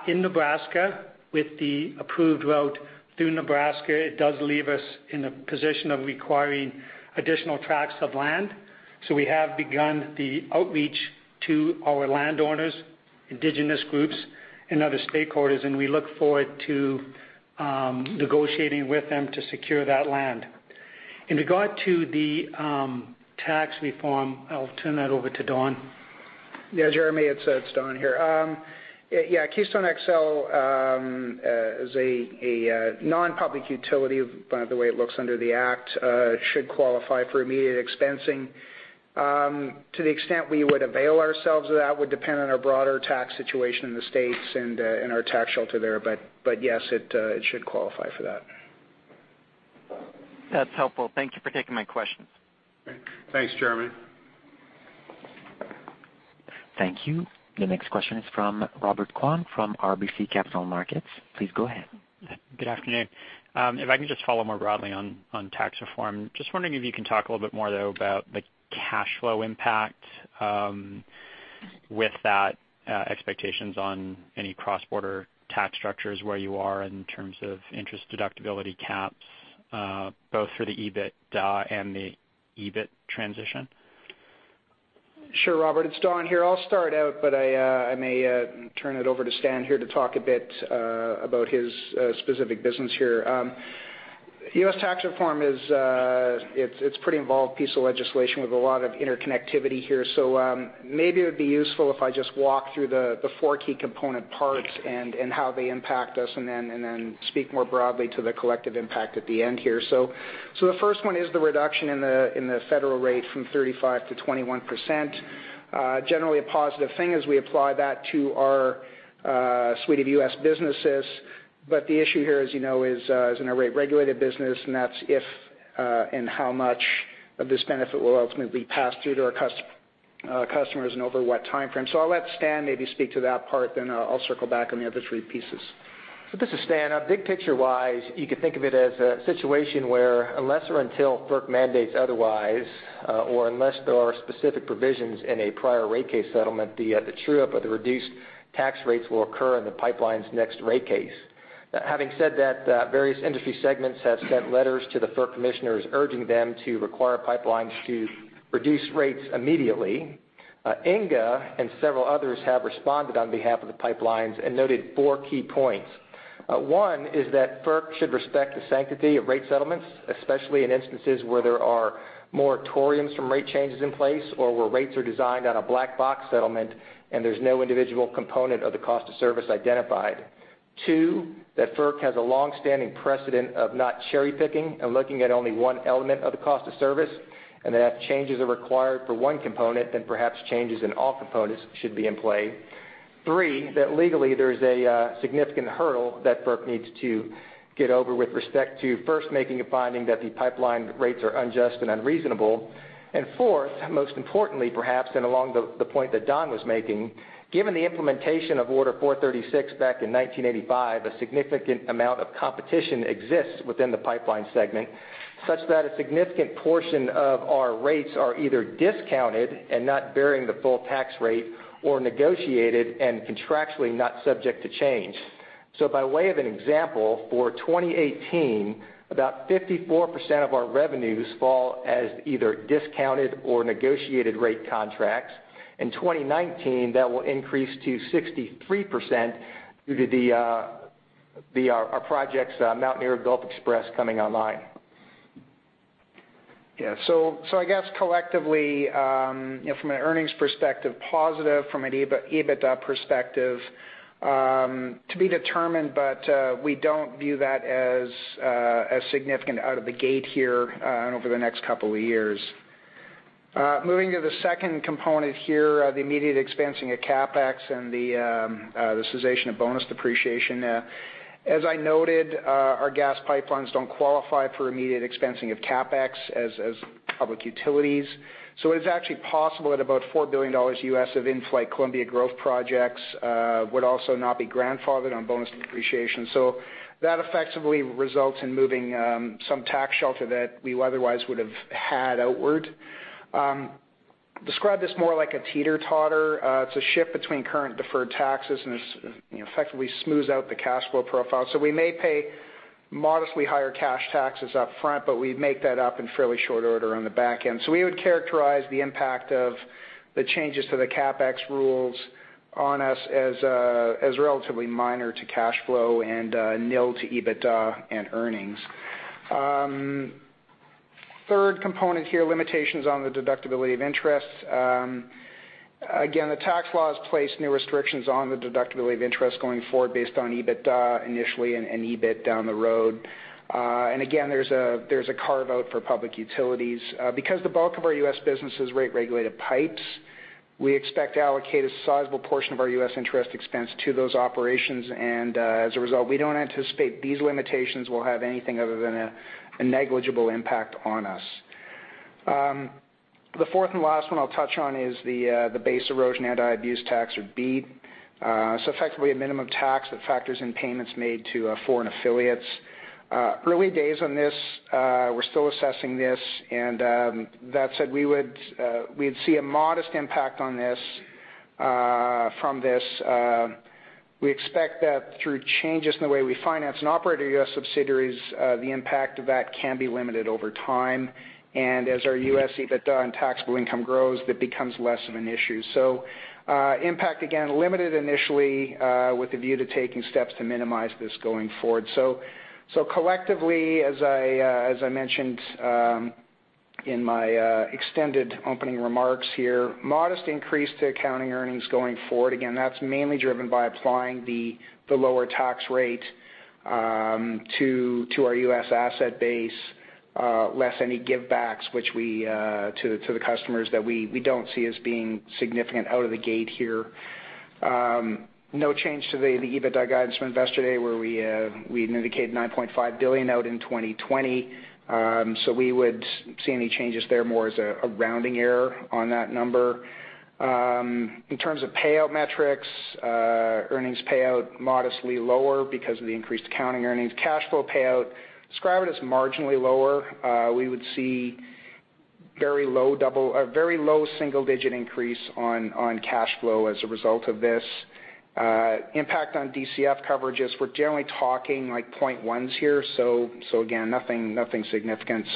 in Nebraska. With the approved route through Nebraska, it does leave us in a position of requiring additional tracts of land. We have begun the outreach to our landowners, indigenous groups, and other stakeholders, and we look forward to negotiating with them to secure that land. In regard to the tax reform, I'll turn that over to Don. Jeremy, it's Don here. Keystone XL, as a non-public utility, by the way it looks under the act, should qualify for immediate expensing. To the extent we would avail ourselves of that would depend on our broader tax situation in the U.S. and our tax shelter there. Yes, it should qualify for that. That's helpful. Thank you for taking my questions. Thanks, Jeremy. Thank you. The next question is from Robert Kwan from RBC Capital Markets. Please go ahead. Good afternoon. If I can just follow more broadly on tax reform. Just wondering if you can talk a little bit more, though, about the cash flow impact with that expectations on any cross-border tax structures, where you are in terms of interest deductibility caps, both for the EBITDA and the EBIT transition. Sure, Robert. It's Don here. I'll start out, but I may turn it over to Stan here to talk a bit about his specific business here. U.S. tax reform, it's pretty involved piece of legislation with a lot of interconnectivity here. Maybe it would be useful if I just walk through the four key component parts and how they impact us, and then speak more broadly to the collective impact at the end here. The first one is the reduction in the federal rate from 35% to 21%. Generally a positive thing as we apply that to our suite of U.S. businesses. The issue here, as you know, is in our rate-regulated business, and that's if and how much of this benefit will ultimately pass through to our customers and over what timeframe. I'll let Stan maybe speak to that part, then I'll circle back on the other three pieces. This is Stan. Big picture-wise, you could think of it as a situation where unless or until FERC mandates otherwise, or unless there are specific provisions in a prior rate case settlement, the true-up of the reduced tax rates will occur in the pipeline's next rate case. Having said that, various industry segments have sent letters to the FERC commissioners urging them to require pipelines to reduce rates immediately. INGAA and several others have responded on behalf of the pipelines and noted four key points. One is that FERC should respect the sanctity of rate settlements, especially in instances where there are moratoriums from rate changes in place or where rates are designed on a black box settlement and there's no individual component of the cost of service identified. Two, that FERC has a longstanding precedent of not cherry-picking and looking at only one element of the cost of service. That changes are required for one component, then perhaps changes in all components should be in play. Three, that legally there is a significant hurdle that FERC needs to get over with respect to first making a finding that the pipeline rates are unjust and unreasonable. Fourth, most importantly, perhaps, and along the point that Don was making, given the implementation of Order 436 back in 1985, a significant amount of competition exists within the pipeline segment, such that a significant portion of our rates are either discounted and not bearing the full tax rate or negotiated and contractually not subject to change. By way of an example, for 2018, about 54% of our revenues fall as either discounted or negotiated rate contracts. In 2019, that will increase to 63% due to our projects Mountaineer XPress and Gulf XPress coming online. Yeah. I guess collectively, from an earnings perspective, positive. From an EBITDA perspective, to be determined, but we don't view that as significant out of the gate here and over the next couple of years. Moving to the second component here, the immediate expensing of CapEx and the cessation of bonus depreciation. As I noted, our gas pipelines don't qualify for immediate expensing of CapEx as public utilities. It is actually possible at about $4 billion US of in-flight Columbia growth projects would also not be grandfathered on bonus depreciation. That effectively results in moving some tax shelter that we otherwise would have had outward. Describe this more like a teeter-totter. It's a shift between current deferred taxes, and effectively smooths out the cash flow profile. We may pay modestly higher cash taxes up front, we make that up in fairly short order on the back end. We would characterize the impact of the changes to the CapEx rules on us as relatively minor to cash flow and nil to EBITDA and earnings. Third component here, limitations on the deductibility of interest. The tax laws place new restrictions on the deductibility of interest going forward based on EBITDA initially and EBIT down the road. There's a carve-out for public utilities. Because the bulk of our U.S. business is rate-regulated pipes, we expect to allocate a sizable portion of our U.S. interest expense to those operations, and as a result, we don't anticipate these limitations will have anything other than a negligible impact on us. The fourth and last one I'll touch on is the Base Erosion and Anti-Abuse Tax, or BEAT. Effectively, a minimum tax that factors in payments made to foreign affiliates. Early days on this. We're still assessing this. That said, we'd see a modest impact on this, from this. We expect that through changes in the way we finance and operate our U.S. subsidiaries, the impact of that can be limited over time. As our U.S. EBITDA and taxable income grows, that becomes less of an issue. Impact, again, limited initially with a view to taking steps to minimize this going forward. Collectively, as I mentioned in my extended opening remarks here, modest increase to accounting earnings going forward. Again, that's mainly driven by applying the lower tax rate to our U.S. asset base, less any give backs to the customers that we don't see as being significant out of the gate here. No change to the EBITDA guidance from Investor Day, where we indicated 9.5 billion out in 2020. We would see any changes there more as a rounding error on that number. In terms of payout metrics, earnings payout modestly lower because of the increased accounting earnings. Cash flow payout, describe it as marginally lower. We would see very low single-digit increase on cash flow as a result of this. Impact on DCF coverage is we're generally talking like point ones here. Again, nothing significant.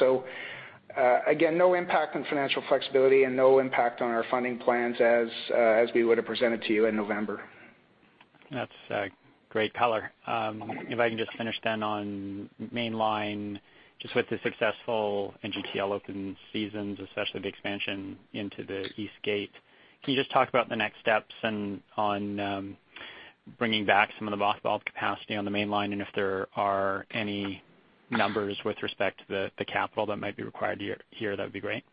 Again, no impact on financial flexibility and no impact on our funding plans as we would've presented to you in November. That's great color. If I can just finish then on Mainline, just with the successful NGTL open seasons, especially the expansion into the East Gate. Can you just talk about the next steps and on bringing back some of the mothballed capacity on the Mainline, and if there are any numbers with respect to the capital that might be required here, that would be great.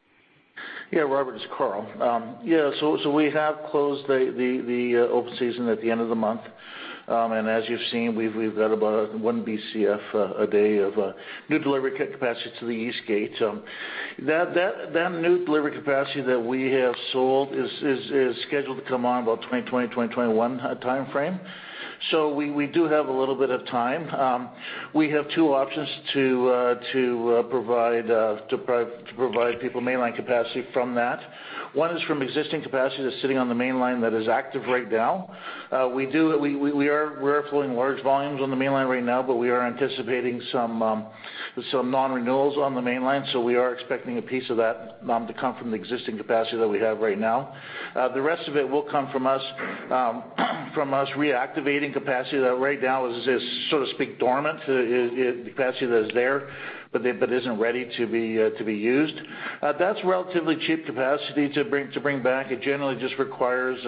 Robert, it's Karl. We have closed the open season at the end of the month. As you've seen, we've got about 1 BCF a day of new delivery capacity to the East Gate. That new delivery capacity that we have sold is scheduled to come on about 2020, 2021 timeframe. We do have a little bit of time. We have two options to provide people Mainline capacity from that. One is from existing capacity that's sitting on the Mainline that is active right now. We are flowing large volumes on the Mainline right now, but we are anticipating some non-renewals on the Mainline. We are expecting a piece of that to come from the existing capacity that we have right now. The rest of it will come from us From us reactivating capacity that right now is, so to speak, dormant. Capacity that is there but isn't ready to be used. That's relatively cheap capacity to bring back. It generally just requires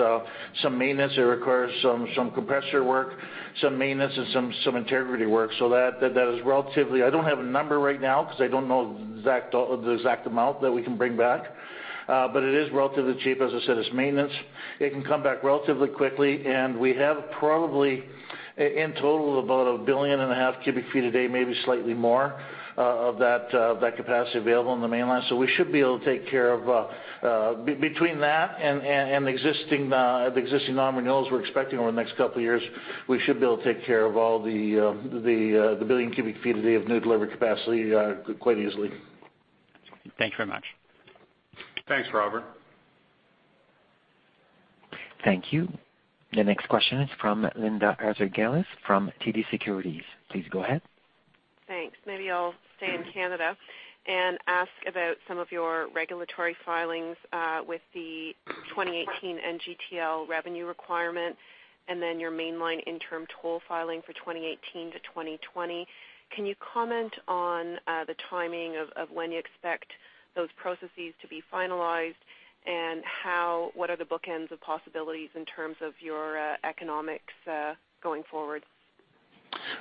some maintenance. It requires some compressor work, some maintenance, and some integrity work. I don't have a number right now because I don't know the exact amount that we can bring back, but it is relatively cheap. As I said, it's maintenance. It can come back relatively quickly, and we have probably in total about 1.5 billion cubic feet a day, maybe slightly more of that capacity available in the Mainline. Between that and the existing non-renewals we're expecting over the next couple of years, we should be able to take care of all the 1 billion cubic feet a day of new delivery capacity quite easily. Thanks very much. Thanks, Robert. Thank you. The next question is from Linda Ezergailis from TD Securities. Please go ahead. Thanks. Maybe I'll stay in Canada and ask about some of your regulatory filings with the 2018 NGTL revenue requirement and then your Mainline interim toll filing for 2018 to 2020. Can you comment on the timing of when you expect those processes to be finalized and what are the bookends of possibilities in terms of your economics going forward?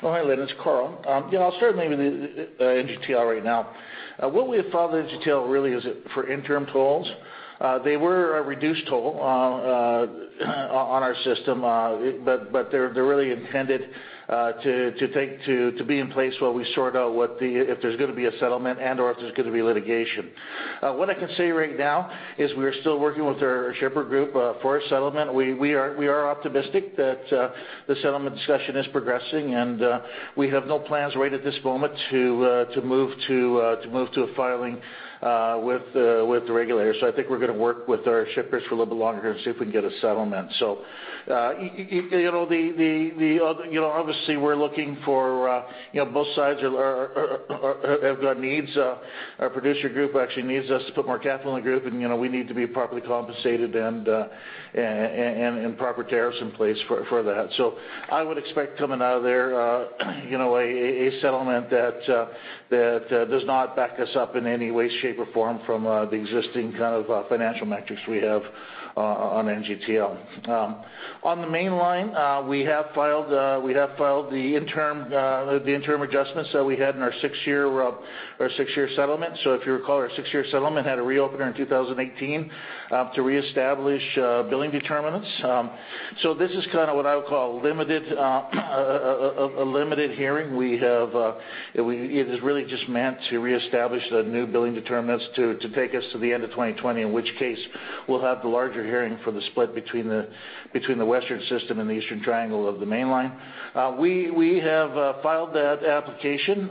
Oh, hi, Linda. It's Karl. I'll start maybe with NGTL right now. What we have filed NGTL really is for interim tolls. They were a reduced toll on our system. They're really intended to be in place while we sort out if there's going to be a settlement and/or if there's going to be litigation. What I can say right now is we are still working with our shipper group for a settlement. We are optimistic that the settlement discussion is progressing, and we have no plans right at this moment to move to a filing with the regulators. I think we're going to work with our shippers for a little bit longer and see if we can get a settlement. Obviously, both sides have got needs. Our producer group actually needs us to put more capital in the group, and we need to be properly compensated and proper tariffs in place for that. I would expect coming out of there, a settlement that does not back us up in any way, shape, or form from the existing kind of financial metrics we have on NGTL. On the Mainline, we have filed the interim adjustments that we had in our six-year settlement. If you recall, our six-year settlement had a reopener in 2018 to reestablish billing determinants. This is what I would call a limited hearing. It is really just meant to reestablish the new billing determinants to take us to the end of 2020, in which case, we'll have the larger hearing for the split between the Western system and the Eastern Triangle of the Mainline. We have filed that application,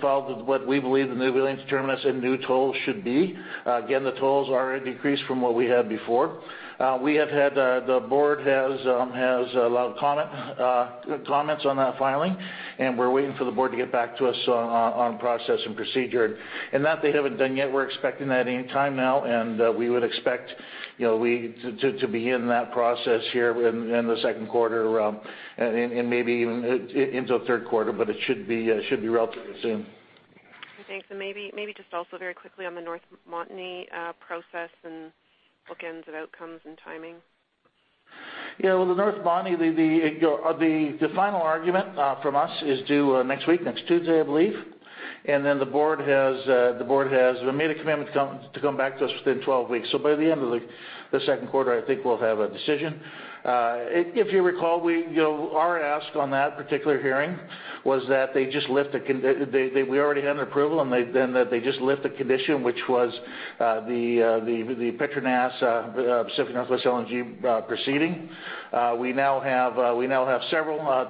filed what we believe the new billing determinants and new tolls should be. Again, the tolls are already decreased from what we had before. The board has allowed comments on that filing, and we're waiting for the board to get back to us on process and procedure. That they haven't done yet. We're expecting that any time now, and we would expect to be in that process here in the second quarter, and maybe even into the third quarter, but it should be relatively soon. Thanks. Maybe just also very quickly on the North Montney process and bookends of outcomes and timing. Well, the North Montney, the final argument from us is due next week, next Tuesday, I believe. The board has made a commitment to come back to us within 12 weeks. By the end of the second quarter, I think we'll have a decision. If you recall, our ask on that particular hearing was that we already had an approval and then that they just lift a condition which was the PETRONAS Pacific NorthWest LNG proceeding. We now have several,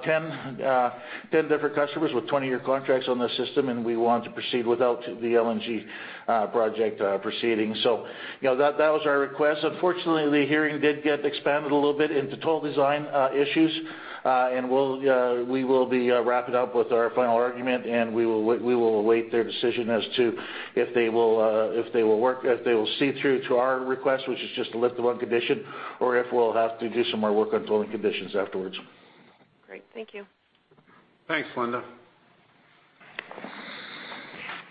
10 different customers with 20-year contracts on the system, we want to proceed without the LNG project proceeding. That was our request. Unfortunately, the hearing did get expanded a little bit into toll design issues, we will be wrapping up with our final argument, we will await their decision as to if they will see through to our request, which is just to lift the one condition, or if we'll have to do some more work on tolling conditions afterwards. Great. Thank you. Thanks, Linda.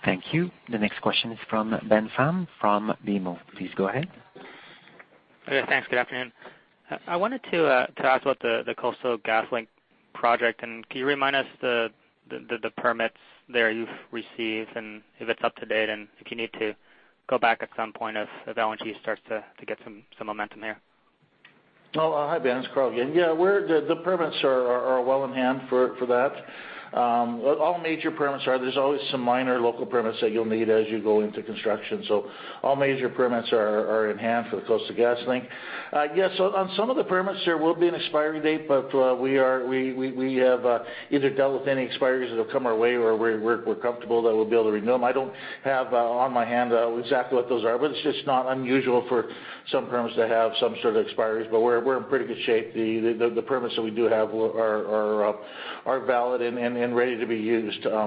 Thank you. The next question is from Ben Pham from BMO. Please go ahead. Okay, thanks. Good afternoon. I wanted to ask about the Coastal GasLink project. Can you remind us the permits there you've received and if it's up to date and if you need to go back at some point if LNG starts to get some momentum there? Hi, Ben. It's Karl again. The permits are well in hand for that. All major permits are. There's always some minor local permits that you'll need as you go into construction. All major permits are in hand for the Coastal GasLink. On some of the permits, there will be an expiry date, but we have either dealt with any expiries that have come our way or we're comfortable that we'll be able to renew them. I don't have on my hand exactly what those are, but it's just not unusual for some permits to have some sort of expiries. We're in pretty good shape. The permits that we do have are valid and ready to be used. As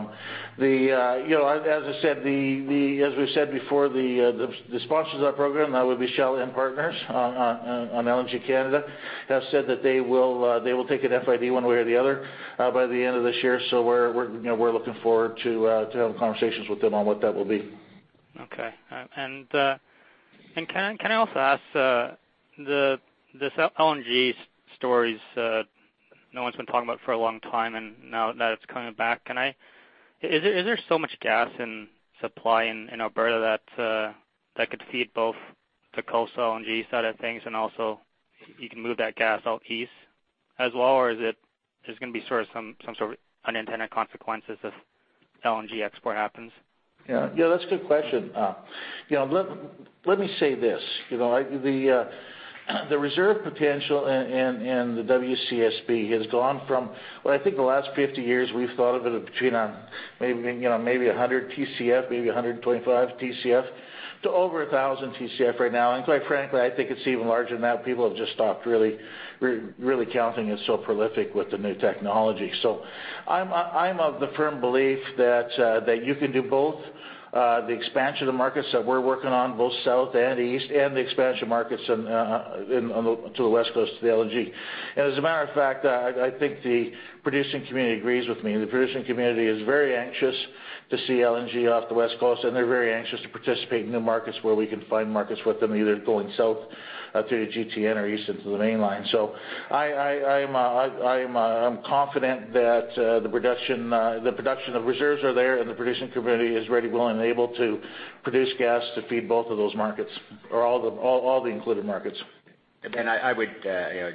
we've said before, the sponsors of that program, that would be Shell and partners on LNG Canada, have said that they will take an FID one way or the other by the end of this year. We're looking forward to having conversations with them on what that will be. Okay. Can I also ask, this LNG stories, no one's been talking about for a long time, and now that it's coming back, is there so much gas in supply in Alberta that could feed both the coastal LNG side of things and also you can move that gas out east as well? Is it there's going to be some sort of unintended consequences if LNG export happens? That's a good question. Let me say this. The reserve potential in the WCSB has gone from, I think the last 50 years, we've thought of it between on maybe 100 Tcf, maybe 125 Tcf, to over 1,000 Tcf right now. Quite frankly, I think it's even larger than that. People have just stopped really counting. It's so prolific with the new technology. I'm of the firm belief that you can do both, the expansion of the markets that we're working on, both south and east, and the expansion markets to the West Coast, to the LNG. As a matter of fact, I think the producing community agrees with me. The producing community is very anxious to see LNG off the West Coast, they're very anxious to participate in new markets where we can find markets with them, either going south through the GTN or east into the Mainline. I'm confident that the production of reserves are there, and the producing community is ready, willing, and able to produce gas to feed both of those markets or all the included markets. I would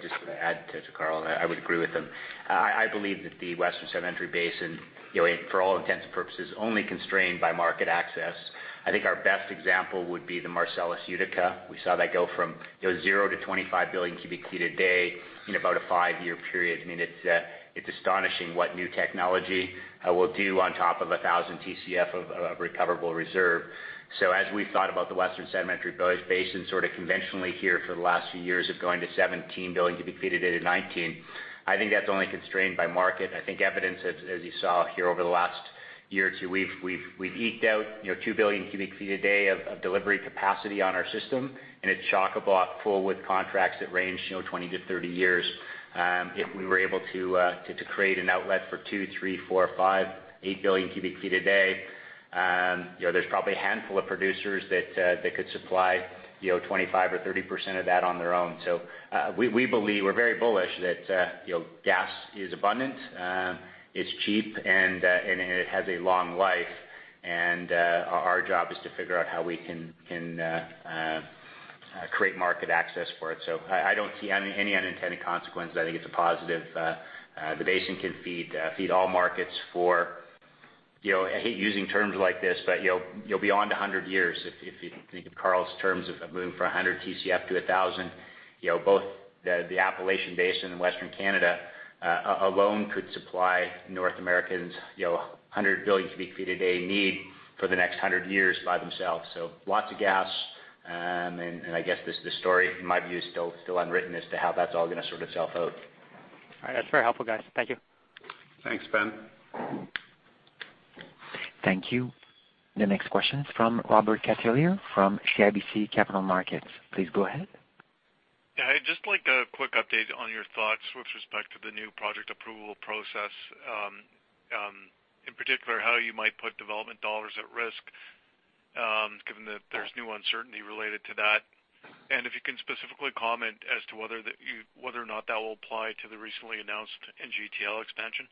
just add to Karl, I would agree with him. I believe that the Western Sedimentary Basin, for all intents and purposes, only constrained by market access. I think our best example would be the Marcellus Utica. We saw that go from 0 to 25 billion cubic feet a day in about a 5-year period. It's astonishing what new technology will do on top of 1,000 Tcf of recoverable reserve. As we thought about the Western Sedimentary Basin conventionally here for the last few years of going to 17 billion cubic feet a day to 19, I think that's only constrained by market. I think evidence, as you saw here over the last year or two, we've eked out 2 billion cubic feet a day of delivery capacity on our system, and it's chock-a-block full with contracts that range 20-30 years. If we were able to create an outlet for two, three, four, five, eight billion cubic feet a day, there's probably a handful of producers that could supply 25% or 30% of that on their own. We're very bullish that gas is abundant, it's cheap, and it has a long life. Our job is to figure out how we can create market access for it. I don't see any unintended consequences. I think it's a positive. The basin can feed all markets for I hate using terms like this, but you'll be on to 100 years, if you think of Karl's terms of moving from 100 Tcf to 1,000. Both the Appalachian Basin and Western Canada alone could supply North Americans' 100 billion cubic feet a day need for the next 100 years by themselves. Lots of gas. I guess the story, in my view, is still unwritten as to how that's all going to sort itself out. All right. That's very helpful, guys. Thank you. Thanks, Ben. Thank you. The next question is from Robert Catellier from CIBC Capital Markets. Please go ahead. I'd just like a quick update on your thoughts with respect to the new project approval process, in particular, how you might put development dollars at risk, given that there's new uncertainty related to that. If you can specifically comment as to whether or not that will apply to the recently announced NGTL expansion.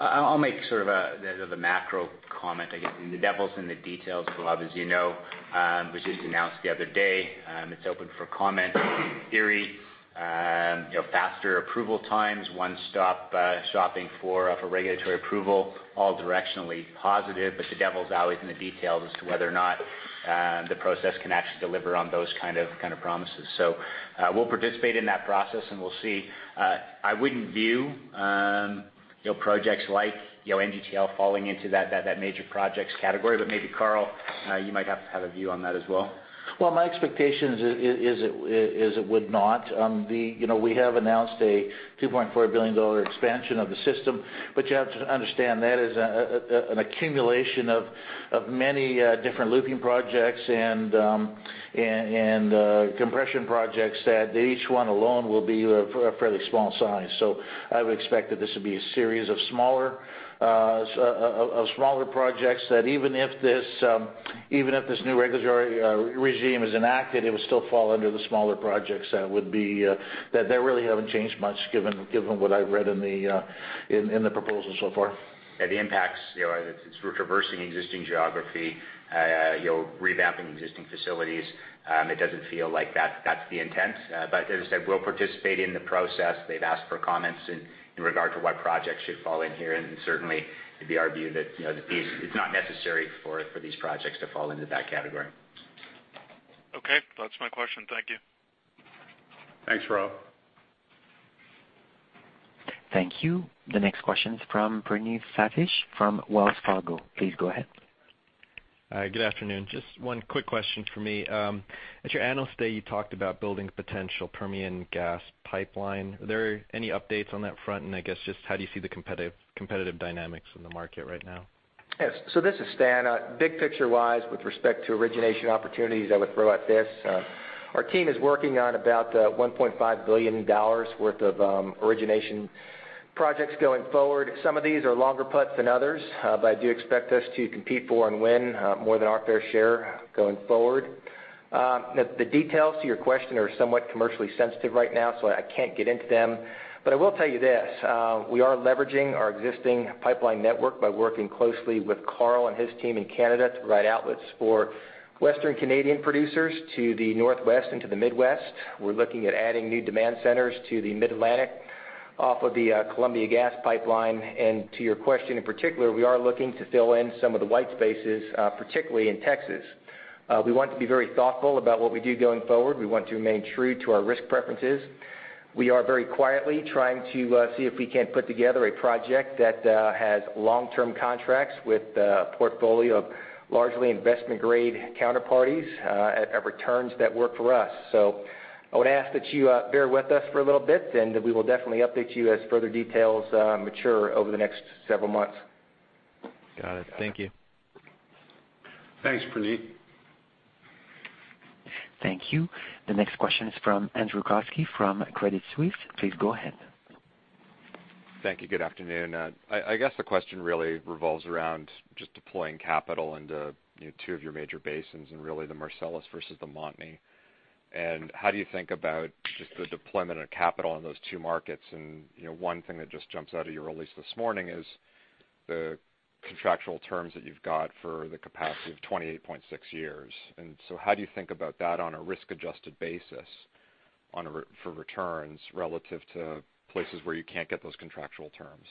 I'll make sort of the macro comment, I guess. The devil's in the details, Rob, as you know. It was just announced the other day. It's open for comment. In theory, faster approval times, one-stop shopping for regulatory approval, all directionally positive, but the devil's always in the details as to whether or not the process can actually deliver on those kind of promises. We'll participate in that process, and we'll see. I wouldn't view projects like NGTL falling into that major projects category. Maybe Karl, you might have a view on that as well. Well, my expectation is it would not. We have announced a 2.4 billion dollar expansion of the system. You have to understand that is an accumulation of many different looping projects and compression projects that each one alone will be a fairly small size. I would expect that this would be a series of smaller projects, that even if this new regulatory regime is enacted, it would still fall under the smaller projects. That really haven't changed much given what I've read in the proposal so far. Yeah, the impacts, it's traversing existing geography, revamping existing facilities. It doesn't feel like that's the intent. As I said, we'll participate in the process. They've asked for comments in regard to what projects should fall in here, and certainly it'd be our view that it's not necessary for these projects to fall into that category. Okay. That's my question. Thank you. Thanks, Rob. Thank you. The next question is from Praneeth Satish from Wells Fargo. Please go ahead. Good afternoon. Just one quick question for me. At your Analyst Day, you talked about building a potential Permian gas pipeline. Are there any updates on that front? I guess, just how do you see the competitive dynamics in the market right now? Yes. This is Stan. Big picture-wise, with respect to origination opportunities, I would throw out this. Our team is working on about 1.5 billion dollars worth of origination projects going forward. Some of these are longer puts than others, but I do expect us to compete for and win more than our fair share going forward. The details to your question are somewhat commercially sensitive right now, so I can't get into them, but I will tell you this, we are leveraging our existing pipeline network by working closely with Karl and his team in Canada to provide outlets for Western Canadian producers to the Northwest and to the Midwest. We're looking at adding new demand centers to the Mid-Atlantic off of the Columbia Gas Pipeline. To your question in particular, we are looking to fill in some of the white spaces, particularly in Texas. We want to be very thoughtful about what we do going forward. We want to remain true to our risk preferences. We are very quietly trying to see if we can't put together a project that has long-term contracts with a portfolio of largely investment-grade counterparties at returns that work for us. I would ask that you bear with us for a little bit, and we will definitely update you as further details mature over the next several months. Got it. Thank you. Thanks, Praneeth. Thank you. The next question is from Andrew Kuske from Credit Suisse. Please go ahead. Thank you. Good afternoon. I guess the question really revolves around just deploying capital into two of your major basins and really the Marcellus versus the Montney. How do you think about just the deployment of capital in those two markets? One thing that just jumps out of your release this morning is the contractual terms that you've got for the capacity of 28.6 years. How do you think about that on a risk-adjusted basis for returns relative to places where you can't get those contractual terms?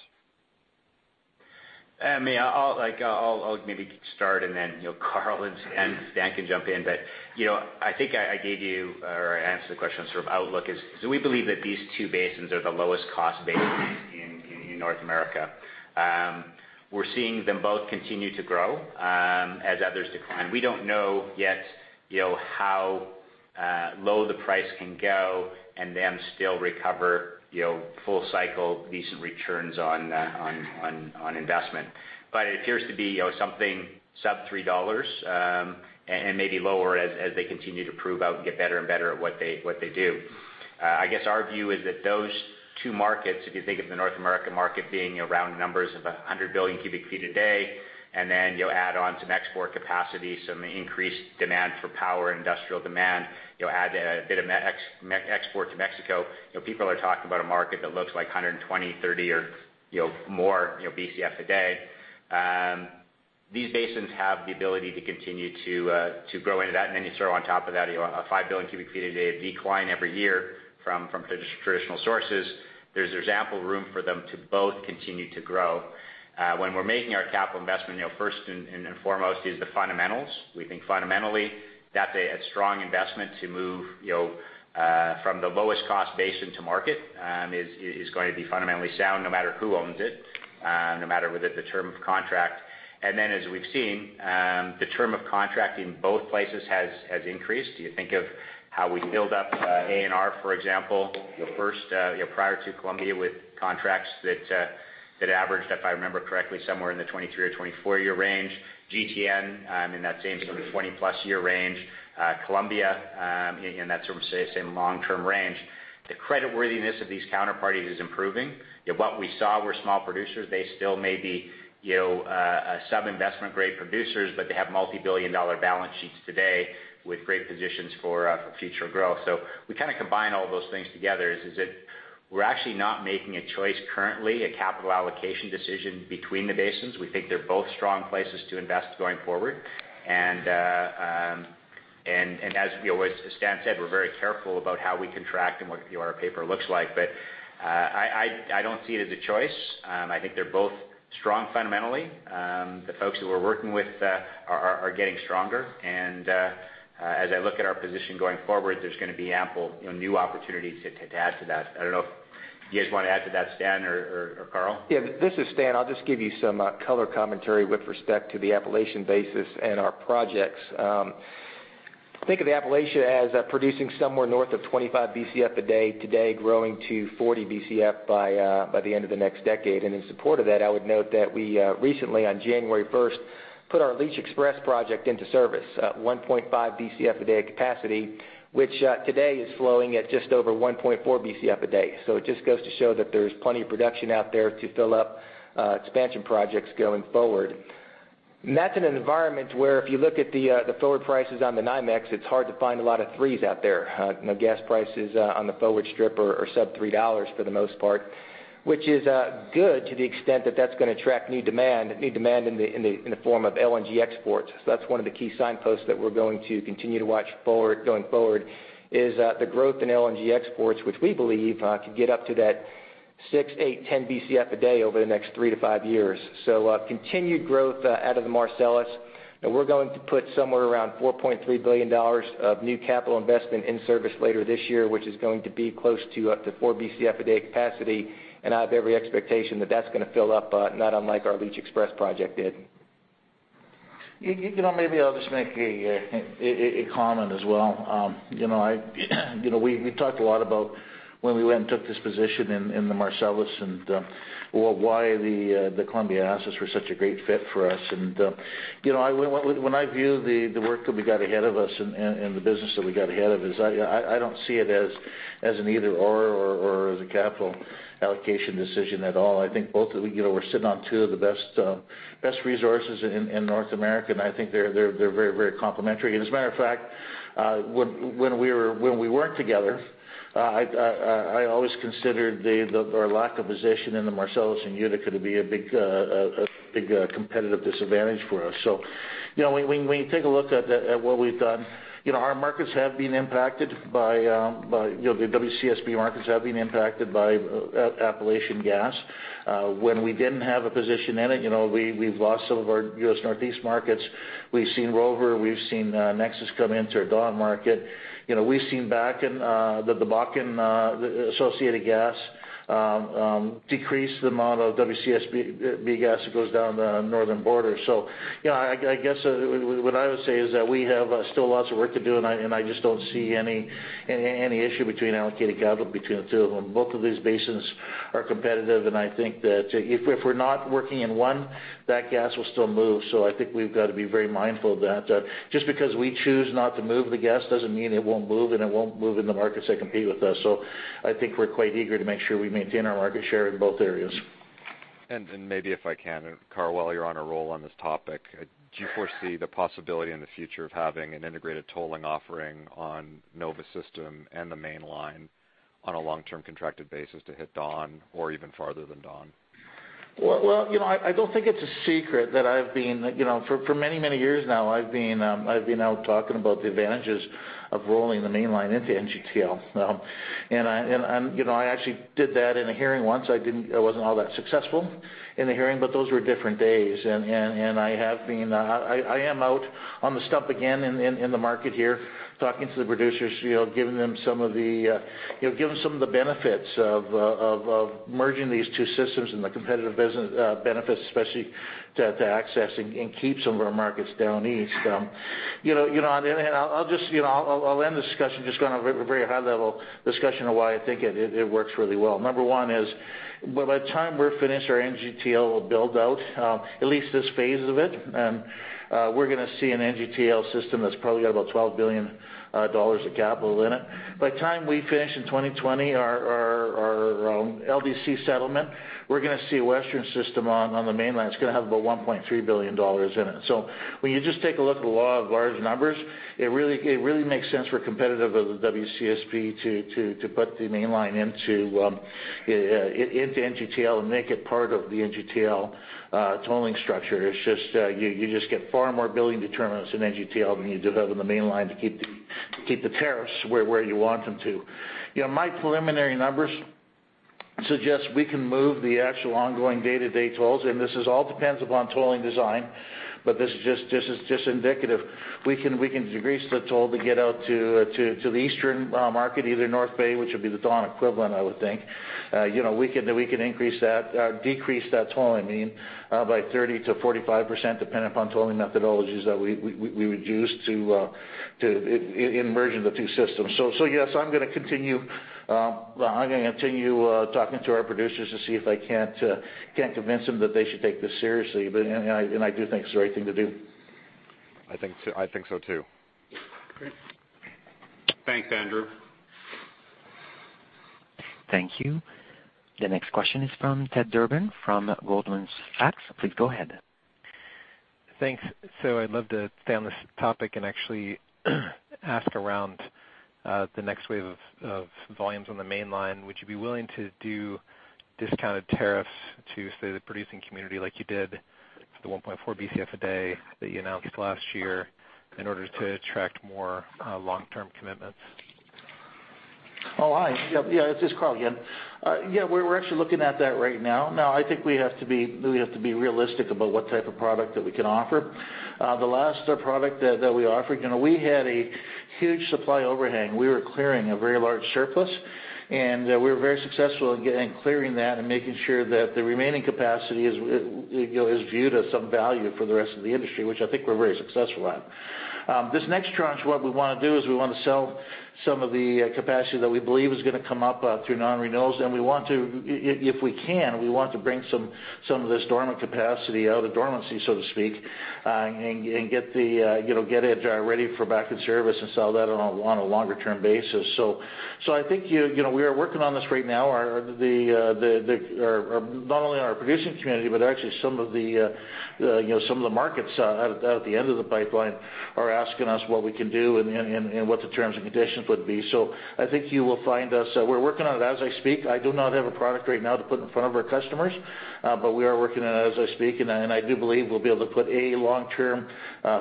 I'll maybe start Karl and Stan can jump in. I think I gave you or answered the question on sort of outlook is, we believe that these two basins are the lowest cost basins in North America. We're seeing them both continue to grow as others decline. We don't know yet how low the price can go and them still recover full cycle, decent returns on investment. It appears to be something sub-CAD 3, and maybe lower as they continue to prove out and get better and better at what they do. I guess our view is that those two markets, if you think of the North American market being around numbers of 100 billion cubic feet a day, you'll add on some export capacity, some increased demand for power, industrial demand, you'll add a bit of export to Mexico. People are talking about a market that looks like 120, 30, or more BCF a day. These basins have the ability to continue to grow into that. You throw on top of that a 5 billion cubic feet a day decline every year from traditional sources. There's ample room for them to both continue to grow. When we're making our capital investment, first and foremost is the fundamentals. We think fundamentally that they had strong investment to move from the lowest cost basin to market is going to be fundamentally sound no matter who owns it, no matter the term of contract. As we've seen, the term of contract in both places has increased. You think of how we build up ANR, for example, first prior to Columbia with contracts we're actually not making a choice currently, a capital allocation decision between the basins. We think they're both strong places to invest going forward. As Stan Chapman said, we're very careful about how we contract and what our paper looks like. I don't see it as a choice. I think they're both strong fundamentally. The folks who we're working with are getting stronger. As I look at our position going forward, there's going to be ample new opportunities to add to that. I don't know if you guys want to add to that, Stan or Karl Johannson? Yeah. This is Stan Chapman. I'll just give you some color commentary with respect to the Appalachian Basin and our projects. Think of Appalachia as producing somewhere north of 25 BCF a day today, growing to 40 BCF by the end of the next decade. In support of that, I would note that we recently, on January 1st, put our Leach XPress project into service at 1.5 BCF a day capacity, which today is flowing at just over 1.4 BCF a day. It just goes to show that there's plenty of production out there to fill up expansion projects going forward. That's in an environment where if you look at the forward prices on the NYMEX, it's hard to find a lot of threes out there. Gas prices on the forward strip are sub-CAD 3 for the most part, which is good to the extent that that's going to attract new demand in the form of LNG exports. That's one of the key signposts that we're going to continue to watch going forward, is the growth in LNG exports, which we believe could get up to that six, eight, 10 BCF a day over the next three to five years. So continued growth out of the Marcellus, and we're going to put somewhere around 4.3 billion dollars of new capital investment in service later this year, which is going to be close to up to four BCF a day capacity. I have every expectation that that's going to fill up, not unlike our Leach XPress project did. Maybe I'll just make a comment as well. We talked a lot about when we went and took this position in the Marcellus, and why the Columbia assets were such a great fit for us. When I view the work that we got ahead of us and the business that we got ahead of us, I don't see it as an either/or as a capital allocation decision at all. I think both. We're sitting on two of the best resources in North America, and I think they're very complementary. As a matter of fact, when we weren't together, I always considered our lack of position in the Marcellus and Utica to be a big competitive disadvantage for us. When you take a look at what we've done, the WCSB markets have been impacted by Appalachian gas. When we didn't have a position in it, we've lost some of our U.S. Northeast markets. We've seen Rover, we've seen NEXUS come into our Dawn Hub. We've seen the Bakken associated gas decrease the amount of WCSB gas that goes down the Northern Border. I guess what I would say is that we have still lots of work to do, and I just don't see any issue between allocating capital between the two of them. Both of these basins are competitive. I think that if we're not working in one, that gas will still move. I think we've got to be very mindful of that. Just because we choose not to move the gas doesn't mean it won't move and it won't move in the markets that compete with us. I think we're quite eager to make sure we maintain our market share in both areas. Maybe if I can, Karl, while you're on a roll on this topic, do you foresee the possibility in the future of having an integrated tolling offering on Nova system and the Canadian Mainline on a long-term contracted basis to hit Dawn Hub or even farther than Dawn Hub? Well, I don't think it's a secret that for many years now, I've been out talking about the advantages of rolling the Mainline into NGTL now. I actually did that in a hearing once. I wasn't all that successful in the hearing, those were different days. I am out on the stump again in the market here, talking to the producers, giving some of the benefits of merging these two systems and the competitive benefits, especially to accessing and keep some of our markets down east. I'll end the discussion, just going on a very high-level discussion of why I think it works really well. Number one is, by the time we're finished our NGTL build-out, at least this phase of it, we're going to see an NGTL system that's probably got about 12 billion dollars of capital in it. By the time we finish in 2020, our LDC settlement, we're going to see a Western system on the Mainline that's going to have about 1.3 billion dollars in it. When you just take a look at the raw, large numbers, it really makes sense for a competitor of the WCSB to put the Mainline into NGTL and make it part of the NGTL tolling structure. You just get far more billing determinants in NGTL than you do have in the Mainline to keep the tariffs where you want them to. My preliminary numbers suggest we can move the actual ongoing day-to-day tolls, and this all depends upon tolling design, but this is just indicative. We can decrease the toll to get out to the eastern market, either North Bay, which would be the Dawn equivalent, I would think. Decrease that toll, I mean, by 30%-45%, depending upon tolling methodologies that we would use in merging the two systems. Yes, I'm going to continue talking to our producers to see if I can't convince them that they should take this seriously. I do think it's the right thing to do. I think so too. Great. Thanks, Andrew. Thank you. The next question is from Ted Durbin from Goldman Sachs. Please go ahead. Thanks. I'd love to stay on this topic and actually ask around the next wave of volumes on the Mainline. Would you be willing to do discounted tariffs to, say, the producing community like you did for the 1.4 BCF a day that you announced last year in order to attract more long-term commitments? Hi. It's just Karl again. We're actually looking at that right now. I think we have to be realistic about what type of product that we can offer. The last product that we offered, we had a huge supply overhang. We were clearing a very large surplus, and we were very successful in clearing that and making sure that the remaining capacity is viewed as some value for the rest of the industry, which I think we're very successful at. This next tranche, what we want to do is we want to sell some of the capacity that we believe is going to come up through non-renewals. If we can, we want to bring some of this dormant capacity out of dormancy, so to speak, and get it ready for back in service and sell that on a longer-term basis. I think we are working on this right now. Not only our producing community, but actually some of the markets out at the end of the pipeline are asking us what we can do and what the terms and conditions would be. I think you will find us We're working on it as I speak. I do not have a product right now to put in front of our customers, but we are working on it as I speak. I do believe we'll be able to put a long-term,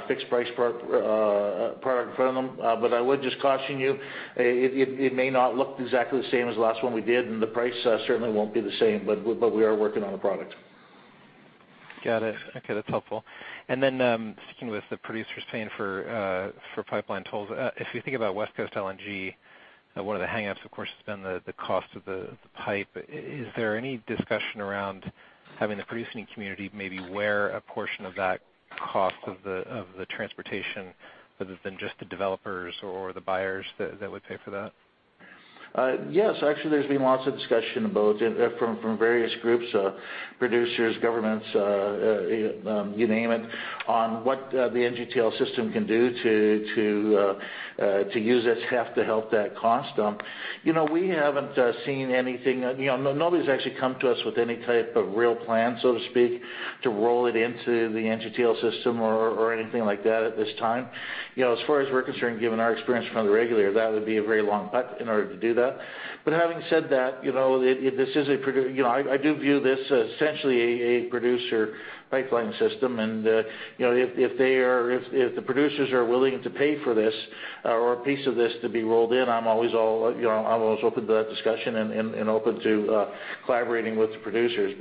fixed-price product in front of them. I would just caution you, it may not look exactly the same as the last one we did, and the price certainly won't be the same. We are working on a product. Got it. Okay. That's helpful. Sticking with the producers paying for pipeline tolls. If you think about West Coast LNG one of the hang-ups, of course, has been the cost of the pipe. Is there any discussion around having the producing community maybe wear a portion of that cost of the transportation, other than just the developers or the buyers that would pay for that? Yes. Actually, there's been lots of discussion about it from various groups, producers, governments, you name it, on what the NGTL system can do to use this heft to help that cost dump. We haven't seen anything. Nobody's actually come to us with any type of real plan, so to speak, to roll it into the NGTL system or anything like that at this time. As far as we're concerned, given our experience from the regulator, that would be a very long bet in order to do that. Having said that, I do view this as essentially a producer pipeline system. If the producers are willing to pay for this or a piece of this to be rolled in, I'm always open to that discussion and open to collaborating with the producers.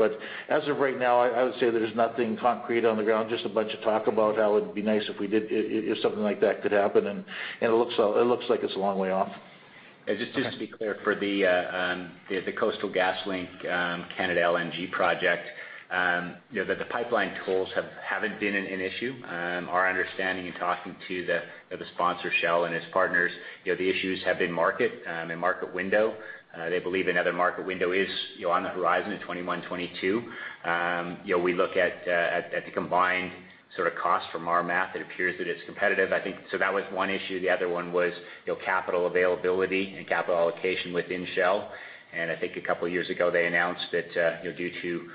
As of right now, I would say there's nothing concrete on the ground, just a bunch of talk about how it'd be nice if something like that could happen, and it looks like it's a long way off. Just to be clear, for the Coastal GasLink Canada LNG project, the pipeline tolls haven't been an issue. Our understanding in talking to the sponsor, Shell, and its partners, the issues have been market and market window. They believe another market window is on the horizon in 2021, 2022. We look at the combined cost from our math, it appears that it's competitive. That was one issue. The other one was capital availability and capital allocation within Shell. I think a couple of years ago, they announced that due to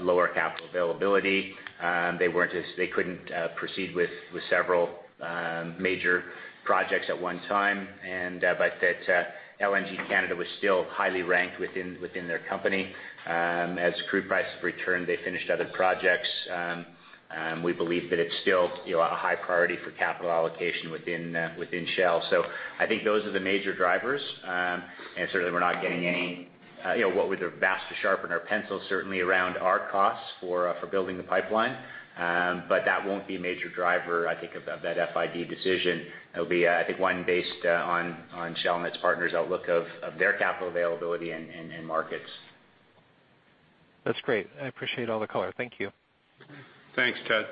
lower capital availability, they couldn't proceed with several major projects at one time, but that LNG Canada was still highly ranked within their company. As crude prices returned, they finished other projects. We believe that it's still a high priority for capital allocation within Shell. I think those are the major drivers. Certainly, we're not getting any. You know with our vast to sharpen our pencil, certainly around our costs for building the pipeline. That won't be a major driver, I think, of that FID decision. It'll be, I think, one based on Shell and its partners' outlook of their capital availability and markets. That's great. I appreciate all the color. Thank you. Thanks, Ted.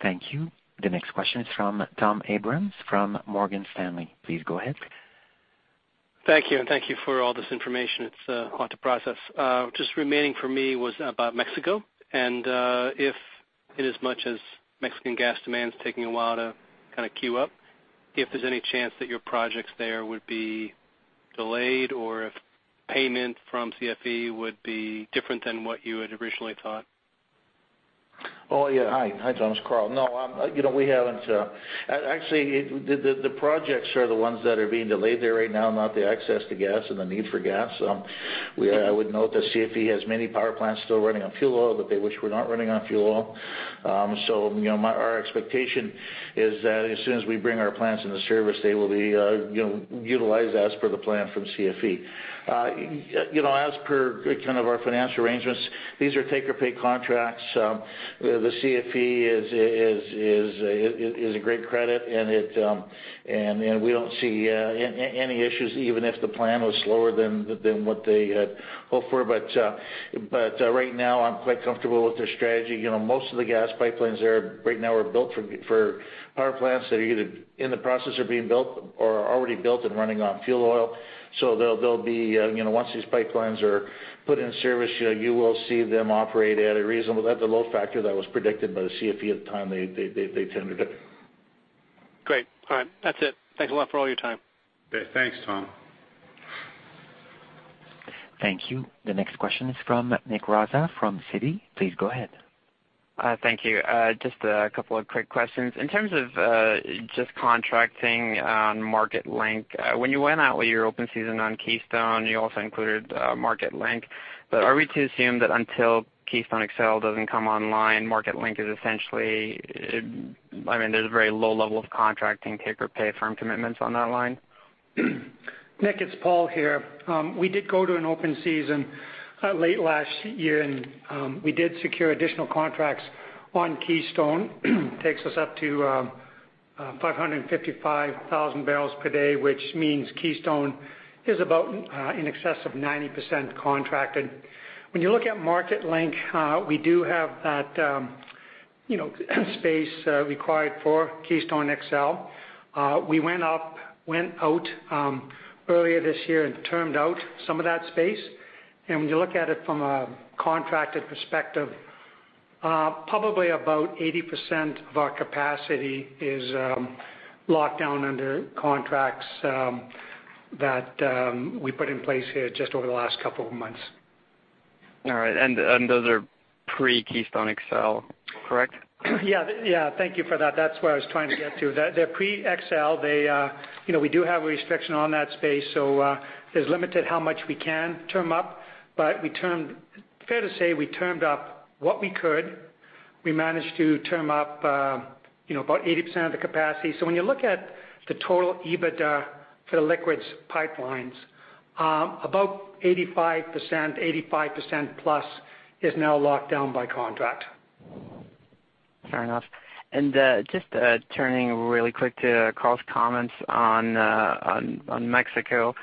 Thank you. The next question is from Tom Abrams from Morgan Stanley. Please go ahead. Thank you. Thank you for all this information. It's a lot to process. Just remaining for me was about Mexico, if inasmuch as Mexican gas demand is taking a while to queue up, if there's any chance that your projects there would be delayed, or if payment from CFE would be different than what you had originally thought. Yeah. Hi, Tom, it's Karl. No. Actually, the projects are the ones that are being delayed there right now, not the access to gas and the need for gas. I would note that CFE has many power plants still running on fuel oil that they wish were not running on fuel oil. Our expectation is that as soon as we bring our plants into service, they will be utilized as per the plan from CFE. As per our financial arrangements, these are take-or-pay contracts. The CFE is a great credit, and we don't see any issues, even if the plan was slower than what they had hoped for. Right now, I'm quite comfortable with their strategy. Most of the gas pipelines there right now are built for power plants that are either in the process of being built or are already built and running on fuel oil. They'll be, once these pipelines are put in service, you will see them operate at the load factor that was predicted by the CFE at the time they tendered it. Great. All right. That's it. Thanks a lot for all your time. Okay. Thanks, Tom. Thank you. The next question is from Nick Raza from Citi. Please go ahead. Thank you. Just a couple of quick questions. In terms of just contracting on Marketlink, when you went out with your open season on Keystone, you also included Marketlink. Are we to assume that until Keystone XL doesn't come online, Marketlink is essentially a very low level of contracting take or pay firm commitments on that line? Nick, it's Paul here. We did go to an open season late last year. We did secure additional contracts on Keystone. Takes us up to 555,000 barrels per day, which means Keystone is about in excess of 90% contracted. When you look at Marketlink, we do have that space required for Keystone XL. We went out earlier this year and termed out some of that space. When you look at it from a contracted perspective, probably about 80% of our capacity is locked down under contracts that we put in place here just over the last couple of months. All right. Those are pre-Keystone XL, correct? Yeah. Thank you for that. That's where I was trying to get to. They're pre-XL. We do have a restriction on that space, so it's limited how much we can term up. Fair to say, we termed up what we could. We managed to term up about 80% of the capacity. When you look at the total EBITDA for the liquids pipelines, about 85%, 85% plus is now locked down by contract. Fair enough. Just turning really quick to Karl's comments on Mexico.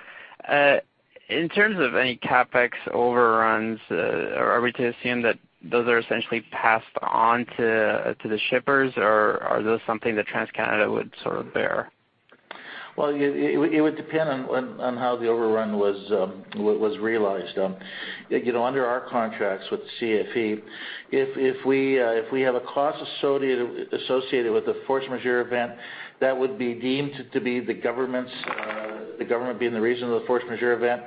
In terms of any CapEx overruns, are we to assume that those are essentially passed on to the shippers, or are those something that TransCanada would bear? It would depend on how the overrun was realized. Under our contracts with CFE, if we have a cost associated with a force majeure event, that would be deemed to be the government's, the government being the reason for the force majeure event.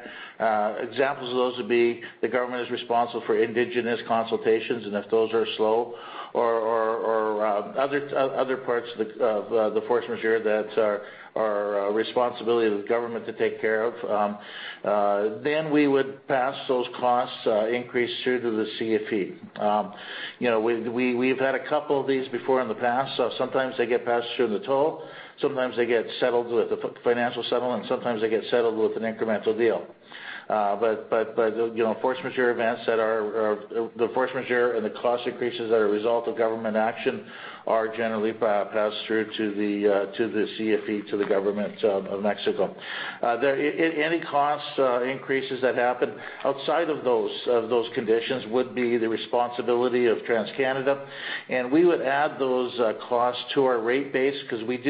Examples of those would be the government is responsible for indigenous consultations, and if those are slow or other parts of the force majeure that are a responsibility of the government to take care of, we would pass those cost increase through to the CFE. We've had a couple of these before in the past. Sometimes they get passed through in the toll. Sometimes they get settled with a financial settlement, and sometimes they get settled with an incremental deal. The force majeure and the cost increases that are a result of government action are generally passed through to the CFE, to the government of Mexico. Any cost increases that happen outside of those conditions would be the responsibility of TransCanada, and we would add those costs to our rate base because we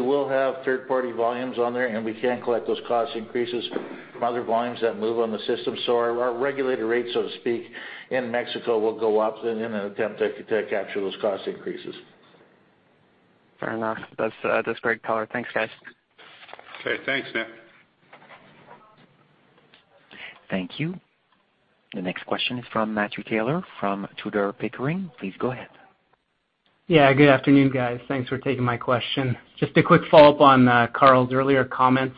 will have third-party volumes on there, and we can collect those cost increases from other volumes that move on the system. Our regulated rate, so to speak, in Mexico, will go up in an attempt to capture those cost increases. Fair enough. That's great color. Thanks, guys. Thanks, Nick. Thank you. The next question is from Matthew Taylor from Tudor, Pickering. Please go ahead. Yeah, good afternoon, guys. Thanks for taking my question. Just a quick follow-up on Karl's earlier comments.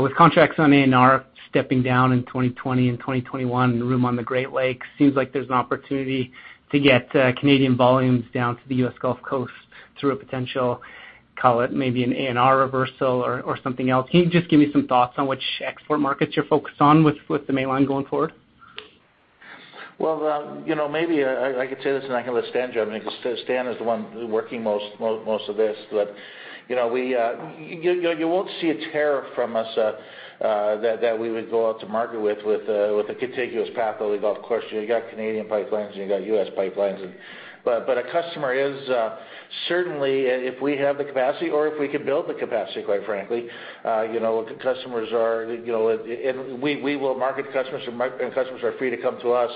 With contracts on ANR stepping down in 2020 and 2021 and room on the Great Lakes, seems like there's an opportunity to get Canadian volumes down to the U.S. Gulf Coast through a potential, call it maybe an ANR reversal or something else. Can you just give me some thoughts on which export markets you're focused on with the Mainline going forward? Well, maybe I could say this, and I can let Stan jump in because Stan is the one working most of this. You won't see a tariff from us that we would go out to market with a contiguous path all the way to the Gulf Coast. You got Canadian pipelines, and you got U.S. pipelines. A customer is certainly, if we have the capacity or if we could build the capacity, quite frankly, we will market to customers, and customers are free to come to us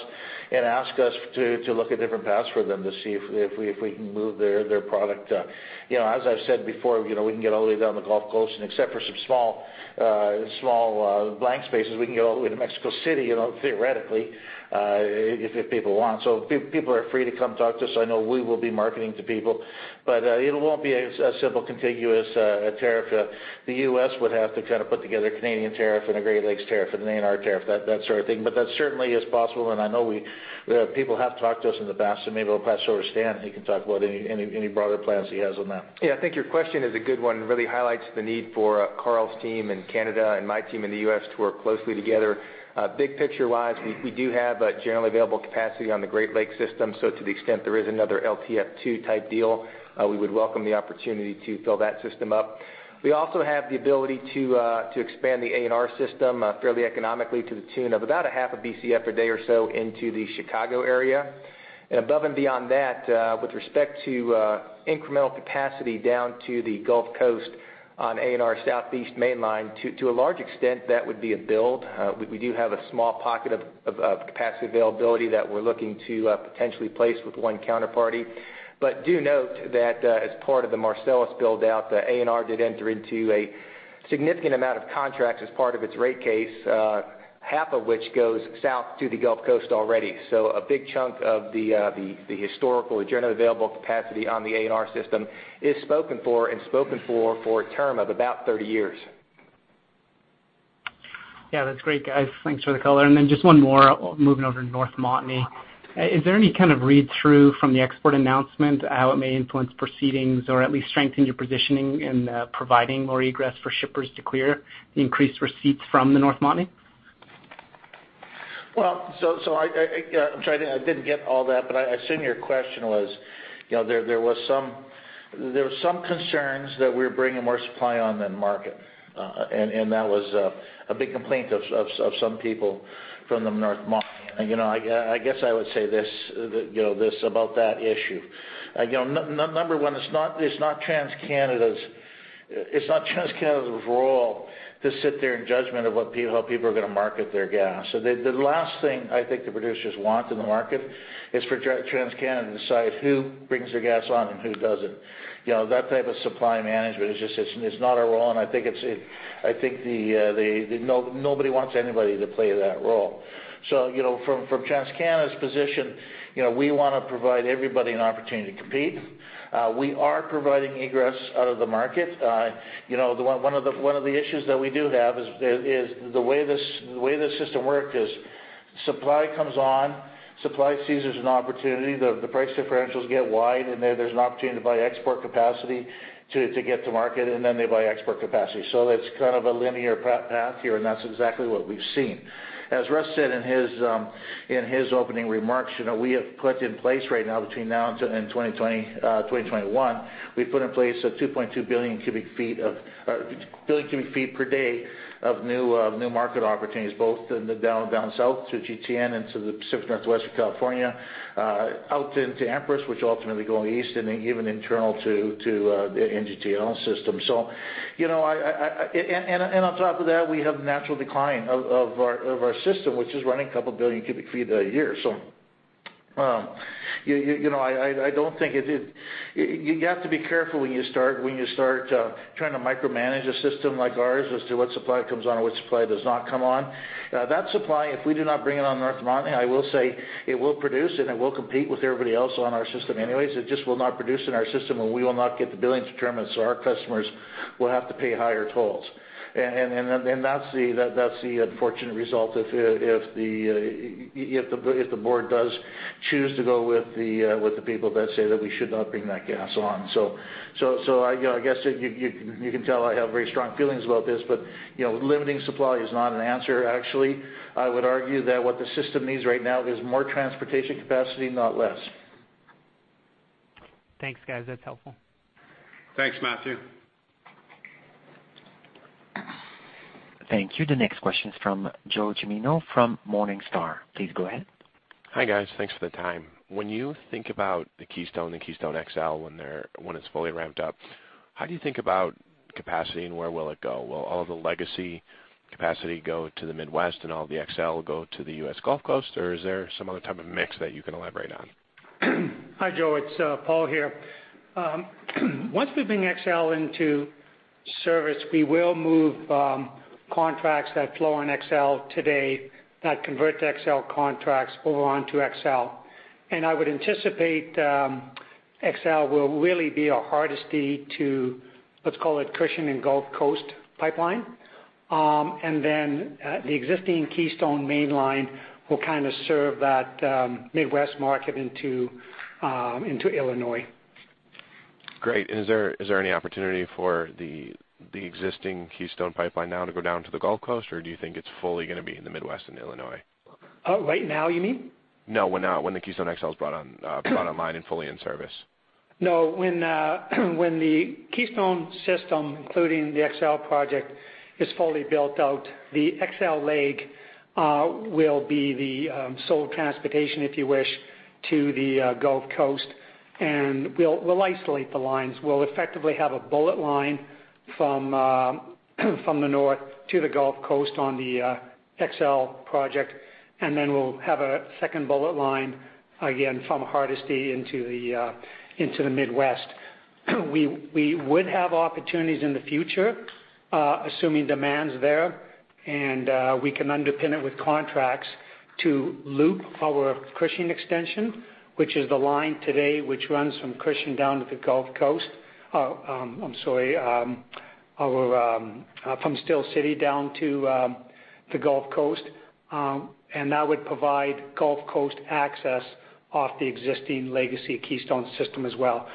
and ask us to look at different paths for them to see if we can move their product. As I've said before, we can get all the way down the Gulf Coast and except for some small blank spaces, we can get all the way to Mexico City, theoretically, if people want. People are free to come talk to us. I know we will be marketing to people. It won't be a simple contiguous tariff. The U.S. would have to put together a Canadian tariff and a Great Lakes tariff and an ANR tariff, that sort of thing. That certainly is possible, and I know people have talked to us in the past, so maybe I'll pass it over to Stan, and he can talk about any broader plans he has on that. I think your question is a good one. It really highlights the need for Karl's team in Canada and my team in the U.S. to work closely together. Big picture-wise, we do have generally available capacity on the Great Lakes system, so to the extent there is another LTFP-2 type deal, we would welcome the opportunity to fill that system up. We also have the ability to expand the ANR system fairly economically to the tune of about a half a Bcf a day or so into the Chicago area. Above and beyond that, with respect to incremental capacity down to the Gulf Coast on ANR Southeast Mainline, to a large extent, that would be a build. We do have a small pocket of capacity availability that we're looking to potentially place with one counterparty. Do note that as part of the Marcellus build-out, the ANR did enter into a significant amount of contracts as part of its rate case, half of which goes south to the Gulf Coast already. A big chunk of the historical and generally available capacity on the ANR system is spoken for and spoken for a term of about 30 years. That's great, guys. Thanks for the color. Just one more, moving over to North Montney. Is there any kind of read-through from the export announcement, how it may influence proceedings or at least strengthen your positioning in providing more egress for shippers to clear the increased receipts from the North Montney? I didn't get all that, but I assume your question was there were some concerns that we were bringing more supply on than market, and that was a big complaint of some people from the North Montney. I guess I would say this about that issue. Number one, it's not TransCanada's role to sit there in judgment of how people are going to market their gas. The last thing I think the producers want in the market is for TransCanada to decide who brings their gas on and who doesn't. That type of supply management is just not our role, and I think nobody wants anybody to play that role. From TransCanada's position, we want to provide everybody an opportunity to compete. We are providing egress out of the market. One of the issues that we do have is the way the system worked is Supply comes on, supply sees there's an opportunity, the price differentials get wide, and there's an opportunity to buy export capacity to get to market, and then they buy export capacity. It's kind of a linear path here, and that's exactly what we've seen. As Russ said in his opening remarks, we have put in place right now, between now and 2021, we've put in place a 2.2 billion cubic feet per day of new market opportunities, both down south through GTN into the Pacific Northwest and California, out into Empress, which ultimately go east and even internal to the NGTL system. On top of that, we have natural decline of our system, which is running a couple billion cubic feet a year. You have to be careful when you start trying to micromanage a system like ours as to what supply comes on and what supply does not come on. That supply, if we do not bring it on in North Montney, I will say it will produce and it will compete with everybody else on our system anyways. It just will not produce in our system, and we will not get the billing determinants, so our customers will have to pay higher tolls. That's the unfortunate result if the board does choose to go with the people that say that we should not bring that gas on. I guess you can tell I have very strong feelings about this, but limiting supply is not an answer. Actually, I would argue that what the system needs right now is more transportation capacity, not less. Thanks, guys. That's helpful. Thanks, Matthew. Thank you. The next question is from Joe Gemino from Morningstar. Please go ahead. Hi, guys. Thanks for the time. When you think about the Keystone, the Keystone XL, when it's fully ramped up, how do you think about capacity and where will it go? Will all of the legacy capacity go to the Midwest and all the XL go to the U.S. Gulf Coast? Is there some other type of mix that you can elaborate on? Hi, Joe. It's Paul here. Once we bring XL into service, we will move contracts that flow on XL today, that convert to XL contracts over onto XL. I would anticipate XL will really be our hardest key to, let's call it Cushing and Gulf Coast Pipeline. Then the existing Keystone Mainline will kind of serve that Midwest market into Illinois. Great. Is there any opportunity for the existing Keystone Pipeline now to go down to the Gulf Coast, or do you think it's fully going to be in the Midwest and Illinois? Right now, you mean? When the Keystone XL is brought online and fully in service. When the Keystone system, including the XL project, is fully built out, the XL leg will be the sole transportation, if you wish, to the Gulf Coast. We'll isolate the lines. We'll effectively have a bullet line from the north to the Gulf Coast on the XL project, then we'll have a second bullet line, again from Hardisty into the Midwest. We would have opportunities in the future, assuming demand's there, and we can underpin it with contracts to loop our Cushing extension, which is the line today, which runs from Cushing down to the Gulf Coast. I'm sorry, from Steele City down to the Gulf Coast. That would provide Gulf Coast access off the existing legacy Keystone system as well.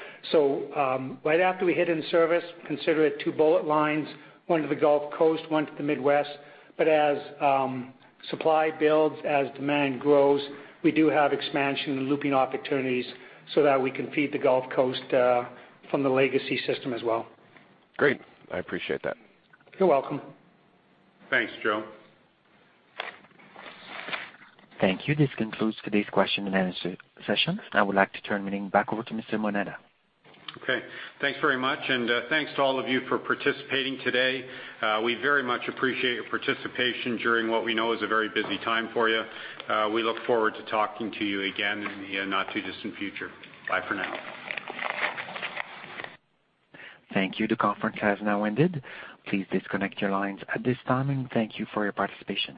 Right after we hit in service, consider it two bullet lines, one to the Gulf Coast, one to the Midwest. As supply builds, as demand grows, we do have expansion and looping opportunities so that we can feed the Gulf Coast from the legacy system as well. Great. I appreciate that. You're welcome. Thanks, Joe. Thank you. This concludes today's question and answer session. I would like to turn the meeting back over to Mr. Moneta. Okay. Thanks very much, and thanks to all of you for participating today. We very much appreciate your participation during what we know is a very busy time for you. We look forward to talking to you again in the not-too-distant future. Bye for now. Thank you. The conference has now ended. Please disconnect your lines at this time, and thank you for your participation.